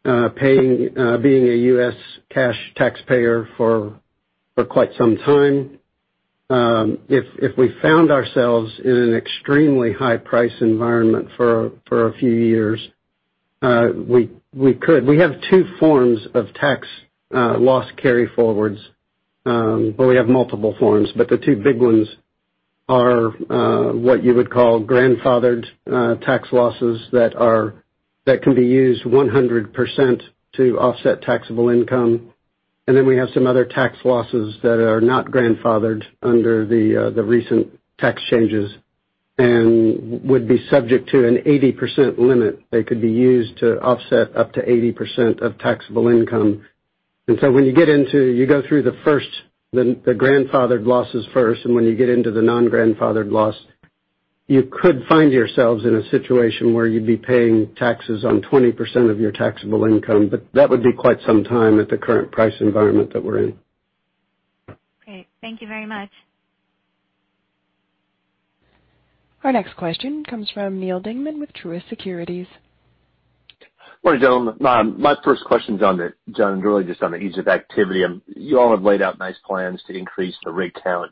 paying being a U.S. cash taxpayer for quite some time. If we found ourselves in an extremely high price environment for a few years, we could. We have two forms of tax loss carryforwards, but we have multiple forms. But the two big ones are what you would call grandfathered tax losses that can be used 100% to offset taxable income. Then we have some other tax losses that are not grandfathered under the recent tax changes and would be subject to an 80% limit. They could be used to offset up to 80% of taxable income. When you get into... You go through the grandfathered losses first, and when you get into the non-grandfathered loss, you could find yourselves in a situation where you'd be paying taxes on 20% of your taxable income. That would be quite some time at the current price environment that we're in. Great. Thank you very much. Our next question comes from Neal Dingmann with Truist Securities. Morning, gentlemen. My first question is on the John and Steve, just on the Egypt activity. You all have laid out nice plans to increase the rig count.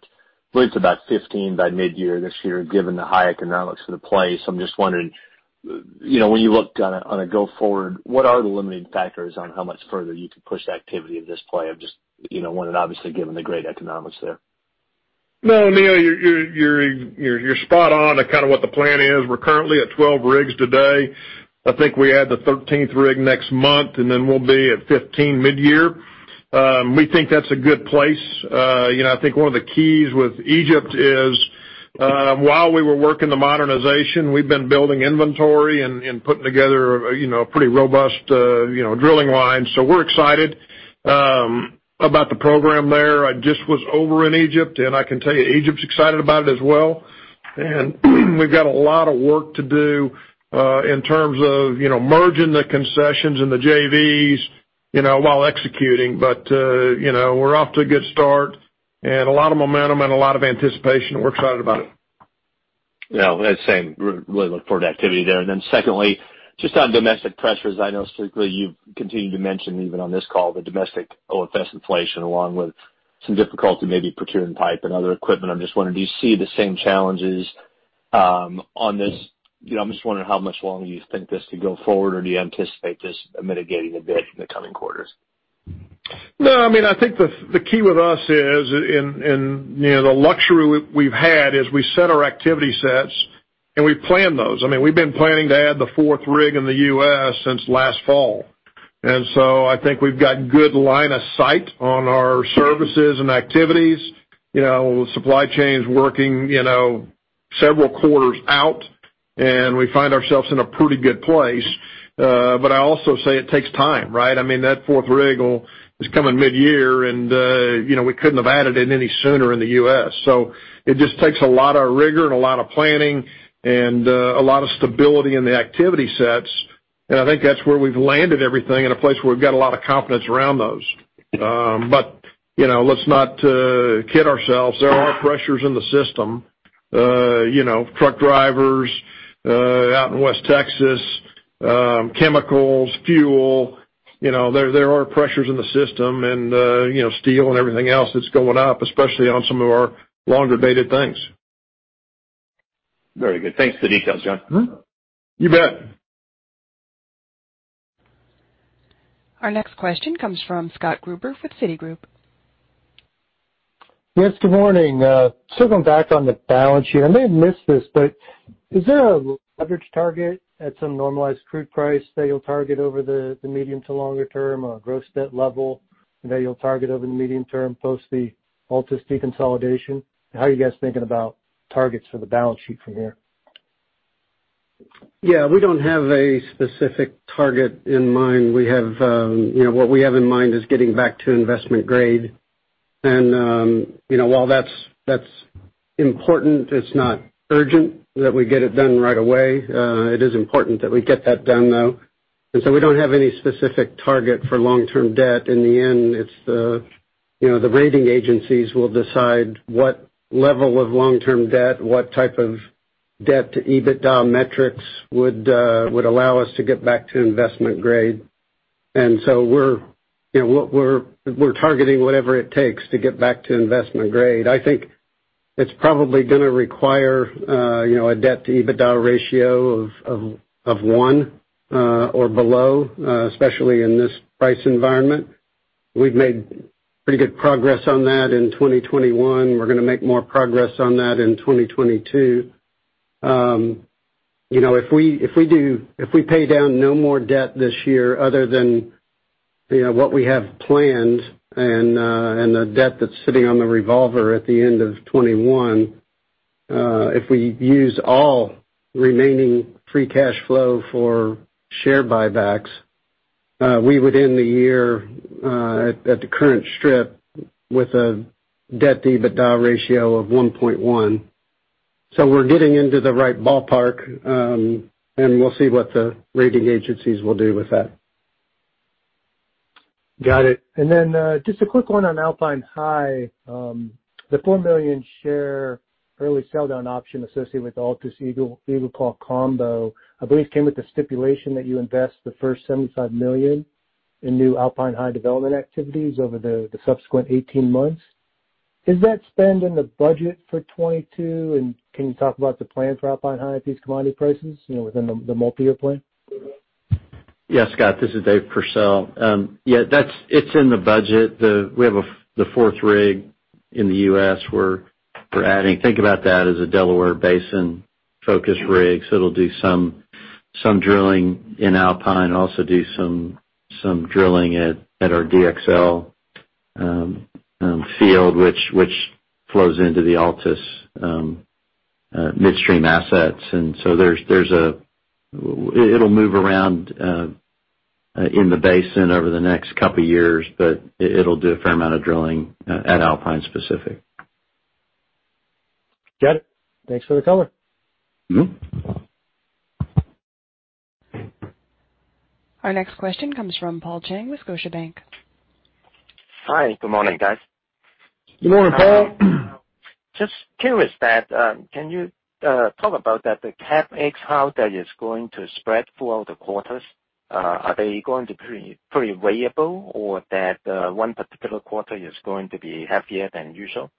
I believe it's about 15 by mid-year this year, given the high economics of the play. I'm just wondering, you know, when you look going forward, what are the limiting factors on how much further you can push the activity of this play or just, you know, wanting obviously, given the great economics there. No, Neal, you're spot on to kinda what the plan is. We're currently at 12 rigs today. I think we add the 13th rig next month, and then we'll be at 15 mid-year. We think that's a good place. You know, I think one of the keys with Egypt is, while we were working the modernization, we've been building inventory and putting together, you know, a pretty robust, you know, drilling line. We're excited about the program there. I just was over in Egypt, and I can tell you Egypt's excited about it as well. We've got a lot of work to do in terms of, you know, merging the concessions and the JVs, you know, while executing. You know, we're off to a good start and a lot of momentum and a lot of anticipation. We're excited about it. Yeah. I'd say. Really look forward to activity there. Secondly, just on domestic pressures, I know particularly you've continued to mention even on this call the domestic OFS inflation along with some difficulty maybe procuring pipe and other equipment. I'm just wondering, do you see the same challenges on this? You know, I'm just wondering how much longer you think this could go forward, or do you anticipate this mitigating a bit in the coming quarters? No. I mean, I think the key with us is in, you know, the luxury we've had is we set our activity sets, and we plan those. I mean, we've been planning to add the fourth rig in the U.S. since last fall. I think we've got good line of sight on our services and activities. You know, supply chain's working, you know, several quarters out, and we find ourselves in a pretty good place. I also say it takes time, right? I mean, that fourth rig is coming mid-year and, you know, we couldn't have added it any sooner in the U.S. It just takes a lot of rigor and a lot of planning and, a lot of stability in the activity sets. I think that's where we've landed everything in a place where we've got a lot of confidence around those. But you know, let's not kid ourselves. There are pressures in the system. You know, truck drivers out in West Texas, chemicals, fuel, you know, there are pressures in the system and you know, steel and everything else that's going up, especially on some of our longer-dated things. Very good. Thanks for the details, John. Mm-hmm. You bet. Our next question comes from Scott Gruber with Citigroup. Yes, good morning. Circling back on the balance sheet. I may have missed this, but is there a leverage target at some normalized crude price that you'll target over the medium to longer-term or a gross debt level that you'll target over the medium term post the Altus deconsolidation? How are you guys thinking about targets for the balance sheet from here? Yeah. We don't have a specific target in mind. We have you know what we have in mind is getting back to investment grade. You know, while that's important, it's not urgent that we get it done right away. It is important that we get that done, though. We don't have any specific target for long-term debt. In the end, it's you know the rating agencies will decide what level of long-term debt, what type of debt-to-EBITDA metrics would allow us to get back to investment grade. We're you know targeting whatever it takes to get back to investment grade. I think it's probably gonna require you know a debt-to-EBITDA ratio of one or below, especially in this price environment. We've made pretty good progress on that in 2021. We're gonna make more progress on that in 2022. You know, if we pay down no more debt this year other than what we have planned and the debt that's sitting on the revolver at the end of 2021, if we use all remaining free cash flow for share buybacks, we would end the year at the current strip with a debt-to-EBITDA ratio of 1.1. We're getting into the right ballpark, and we'll see what the rating agencies will do with that. Got it. Then just a quick one on Alpine High. The 4 million share early sell down option associated with Altus EagleClaw combo, I believe, came with the stipulation that you invest the first $75 million in new Alpine High development activities over the subsequent 18 months. Is that spend in the budget for 2022, and can you talk about the plan for Alpine High at these commodity prices, you know, within the multi-year plan? Yeah, Scott, this is Dave Pursell. Yeah, that's it in the budget. We have the fourth rig in the U.S. we're adding. Think about that as a Delaware Basin-focused rig, so it'll do some drilling in Alpine, also do some drilling at our DXL field which flows into the Altus Midstream assets. It'll move around in the basin over the next couple years, but it'll do a fair amount of drilling at Alpine specific. Got it. Thanks for the color. Mm-hmm. Our next question comes from Paul Cheng with Scotiabank. Hi, good morning, guys. Good morning, Paul. Just curious that, can you talk about that, the CapEx, how that is going to spread throughout the quarters? Are they going to be pretty variable or that, one particular quarter is going to be heavier than usual?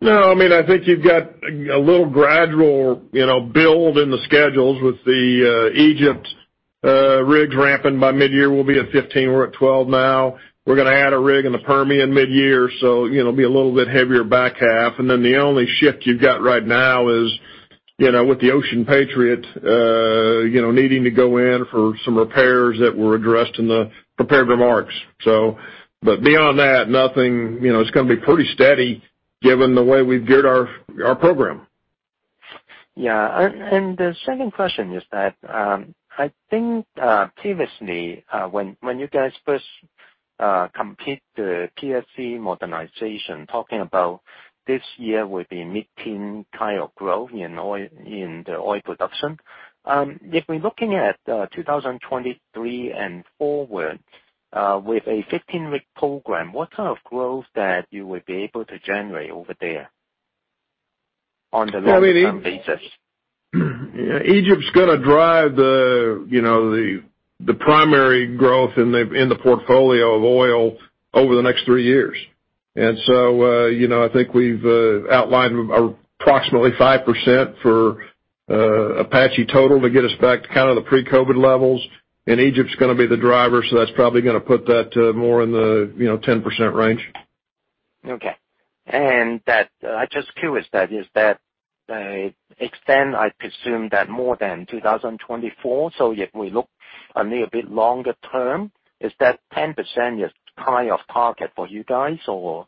No, I mean, I think you've got a little gradual, you know, build in the schedules with the Egypt rigs ramping by mid-year. We'll be at 15, we're at 12 now. We're gonna add a rig in the Permian mid-year, so, you know, it'll be a little bit heavier back half. The only shift you've got right now is, you know, with the Ocean Patriot, you know, needing to go in for some repairs that were addressed in the prepared remarks. Beyond that, nothing, you know, it's gonna be pretty steady given the way we've geared our program. Yeah, the second question is that, I think, previously, when you guys first complete the PSC modernization, talking about this year will be mid-teen kind of growth in oil, in the oil production. If we're looking at 2023 and forward, with a 15 rig program, what kind of growth that you would be able to generate over there on the long-term basis? Yeah. Egypt's gonna drive the, you know, the primary growth in the portfolio of oil over the next three years. You know, I think we've outlined approximately 5% for Apache total to get us back to kind of the pre-COVID levels. Egypt's gonna be the driver, so that's probably gonna put that more in the, you know, 10% range. I'm just curious, to that extent I presume that more than 2024, so if we look a little bit longer-term, is that 10% your kind of target for you guys or?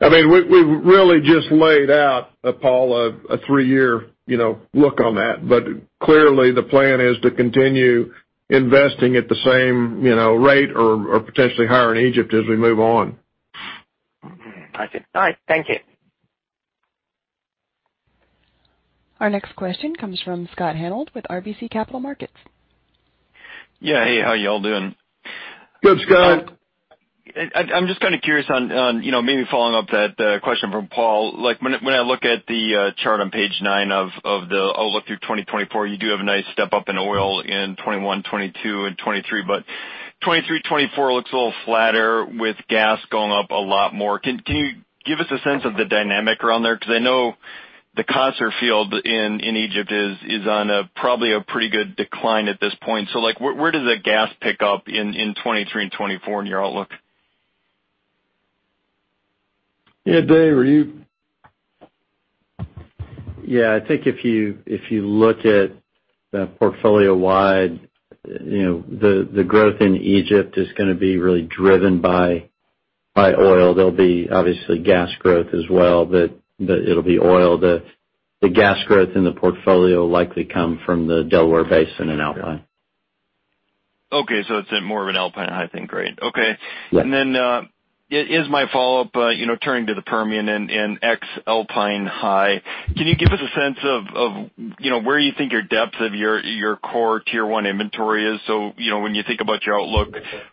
I mean, we really just laid out, Paul, a three-year, you know, look on that. Clearly the plan is to continue investing at the same, you know, rate or potentially higher in Egypt as we move on. Okay. All right. Thank you. Our next question comes from Scott Hanold with RBC Capital Markets. Yeah. Hey, how y'all doing? Good, Scott. I'm just kinda curious on, you know, maybe following up that question from Paul. Like, when I look at the chart on page nine of the outlook through 2024, you do have a nice step up in oil in 2021, 2022 and 2023. But 2023, 2024 looks a little flatter with gas going up a lot more. Can you give us a sense of the dynamic around there? 'Cause I know the Qasr field in Egypt is on a probably a pretty good decline at this point. So like, where does the gas pick up in 2023 and 2024 in your outlook? Yeah. Dave, were you Yeah, I think if you look at the portfolio-wide, you know, the growth in Egypt is gonna be really driven by oil. There'll be obviously gas growth as well, but it'll be oil. The gas growth in the portfolio will likely come from the Delaware Basin and Alpine. Okay. It's more of an Alpine high thing. Great. Okay. Yeah. Here's my follow-up, you know, turning to the Permian and ex-Alpine High, can you give us a sense of where you think the depth of your core tier one inventory is? When you think about your outlook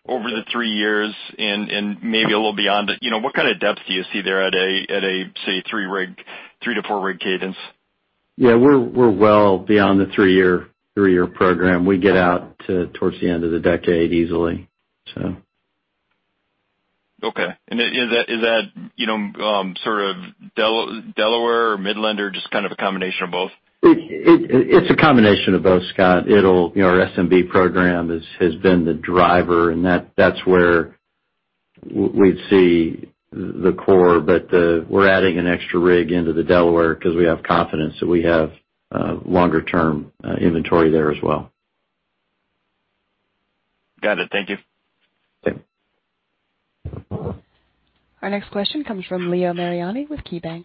over the three years and maybe a little beyond it, you know, what kind of depths do you see there at a say 3-rig, 3- to 4-rig cadence? Yeah. We're well beyond the three-year program. We get out to towards the end of the decade easily, so. Okay. Is that, you know, sort of Delaware or Midland or just kind of a combination of both? It's a combination of both, Scott. It'll, you know, our SMB program has been the driver and that's where we'd see the core. But we're adding an extra rig into the Delaware 'cause we have confidence that we have longer-term inventory there as well. Got it. Thank you. Thank you. Our next question comes from Leo Mariani with KeyBanc.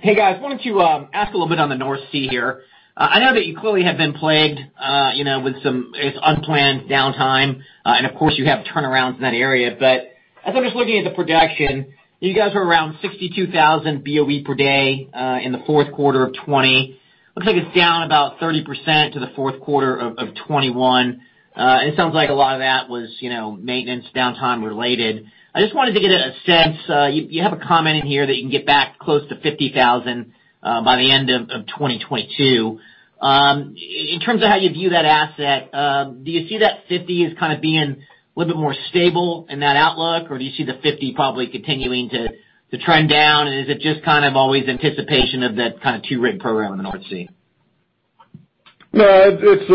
Hey, guys. Wanted to ask a little bit on the North Sea here. I know that you clearly have been plagued, you know, with some, I guess, unplanned downtime, and of course you have turnarounds in that area. As I'm just looking at the production, you guys were around 62,000 BOE per day in the fourth quarter of 2020. Looks like it's down about 30% to the fourth quarter of 2021. And it sounds like a lot of that was, you know, maintenance downtime related. I just wanted to get a sense. You have a comment in here that you can get back close to 50,000 by the end of 2022. In terms of how you view that asset, do you see that 50 as kind of being a little bit more stable in that outlook, or do you see the 50 probably continuing to trend down? Is it just kind of always anticipation of that kind of 2 rig program in the North Sea? No, it's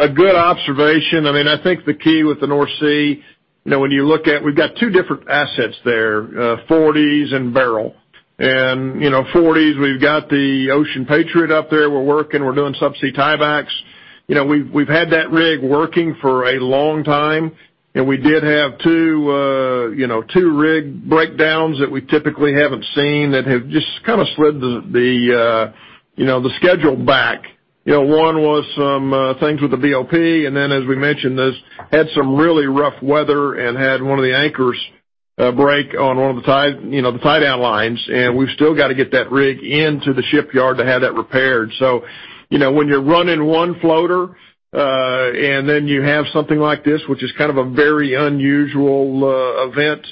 a good observation. I mean, I think the key with the North Sea, when you look at, we've got two different assets there, Forties and Beryl. Forties, we've got the Ocean Patriot up there. We're doing subsea tiebacks. We've had that rig working for a long time, and we did have two rig breakdowns that we typically haven't seen that have just kind of slid the schedule back. One was some things with the BOP, and then as we mentioned this had some really rough weather and had one of the anchors break on one of the tie-down lines, and we've still gotta get that rig into the shipyard to have that repaired. You know, when you're running one floater, and then you have something like this, which is kind of a very unusual event,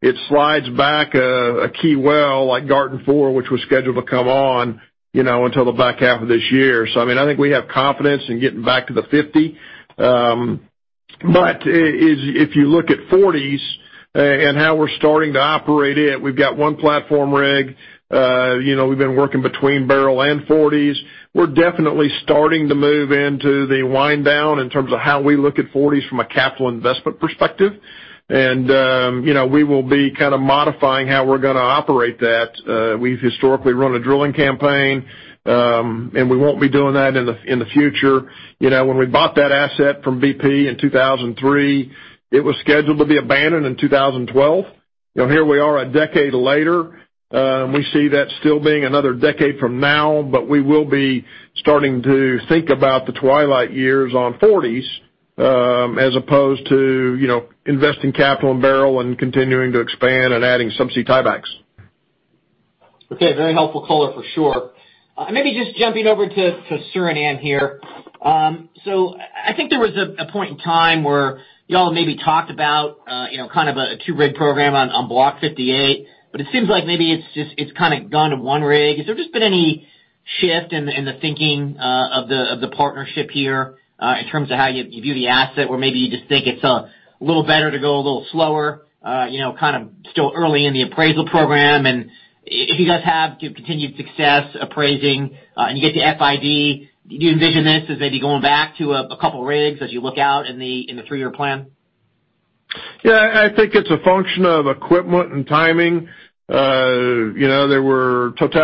it slides back a key well, like Garten 4, which was scheduled to come on, you know, until the back half of this year. I mean, I think we have confidence in getting back to the 50. But if you look at Forties and how we're starting to operate it, we've got one platform rig. You know, we've been working between Beryl and Forties. We're definitely starting to move into the wind down in terms of how we look at Forties from a capital investment perspective. You know, we will be kind of modifying how we're gonna operate that. We've historically run a drilling campaign, and we won't be doing that in the future. You know, when we bought that asset from BP in 2003, it was scheduled to be abandoned in 2012. You know, here we are a decade later, we see that still being another decade from now, but we will be starting to think about the twilight years on Forties, as opposed to, you know, investing capital in Beryl and continuing to expand and adding subsea tiebacks. Okay. Very helpful color for sure. Maybe just jumping over to Suriname here. So I think there was a point in time where y'all maybe talked about you know kind of a two rig program on Block 58, but it seems like maybe it's kinda gone to one rig. Has there just been any shift in the thinking of the partnership here in terms of how you view the asset or maybe you just think it's a little better to go a little slower you know kind of still early in the appraisal program? If you guys have continued success appraising and you get to FID, do you envision this as maybe going back to a couple rigs as you look out in the three-year plan? Yeah, I think it's a function of equipment and timing. Total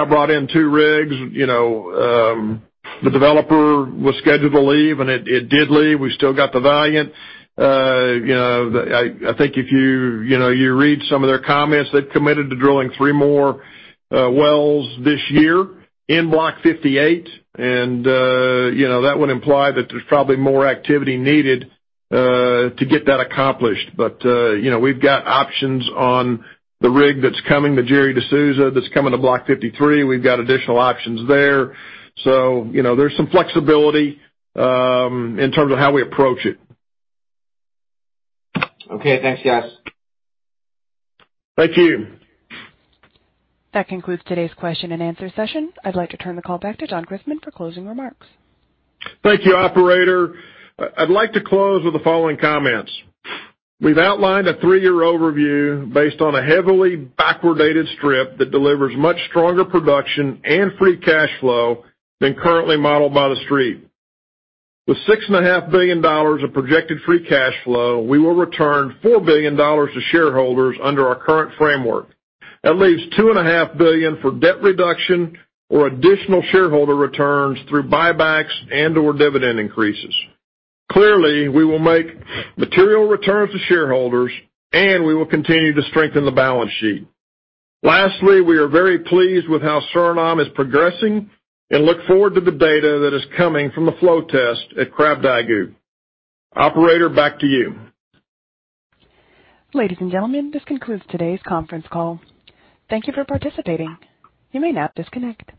brought in 2 rigs. You know, the Discoverer was scheduled to leave and it did leave. We still got the Valiant. You know, I think if you know, you read some of their comments, they've committed to drilling three more wells this year in Block 58. You know, that would imply that there's probably more activity needed to get that accomplished. You know, we've got options on the rig that's coming, the Gerry de Souza, that's coming to Block 53. We've got additional options there. You know, there's some flexibility in terms of how we approach it. Okay, thanks guys. Thank you. That concludes today's question and answer session. I'd like to turn the call back to John Christmann for closing remarks. Thank you, operator. I'd like to close with the following comments. We've outlined a three-year overview based on a heavily backwardated strip that delivers much stronger production and free cash flow than currently modeled by the Street. With $6.5 billion of projected free cash flow, we will return $4 billion to shareholders under our current framework. That leaves $2.5 billion for debt reduction or additional shareholder returns through buybacks and/or dividend increases. Clearly, we will make material returns to shareholders, and we will continue to strengthen the balance sheet. Lastly, we are very pleased with how Suriname is progressing and look forward to the data that is coming from the flow test at Krabdagu. Operator, back to you. Ladies and gentlemen, this concludes today's conference call. Thank you for participating. You may now disconnect.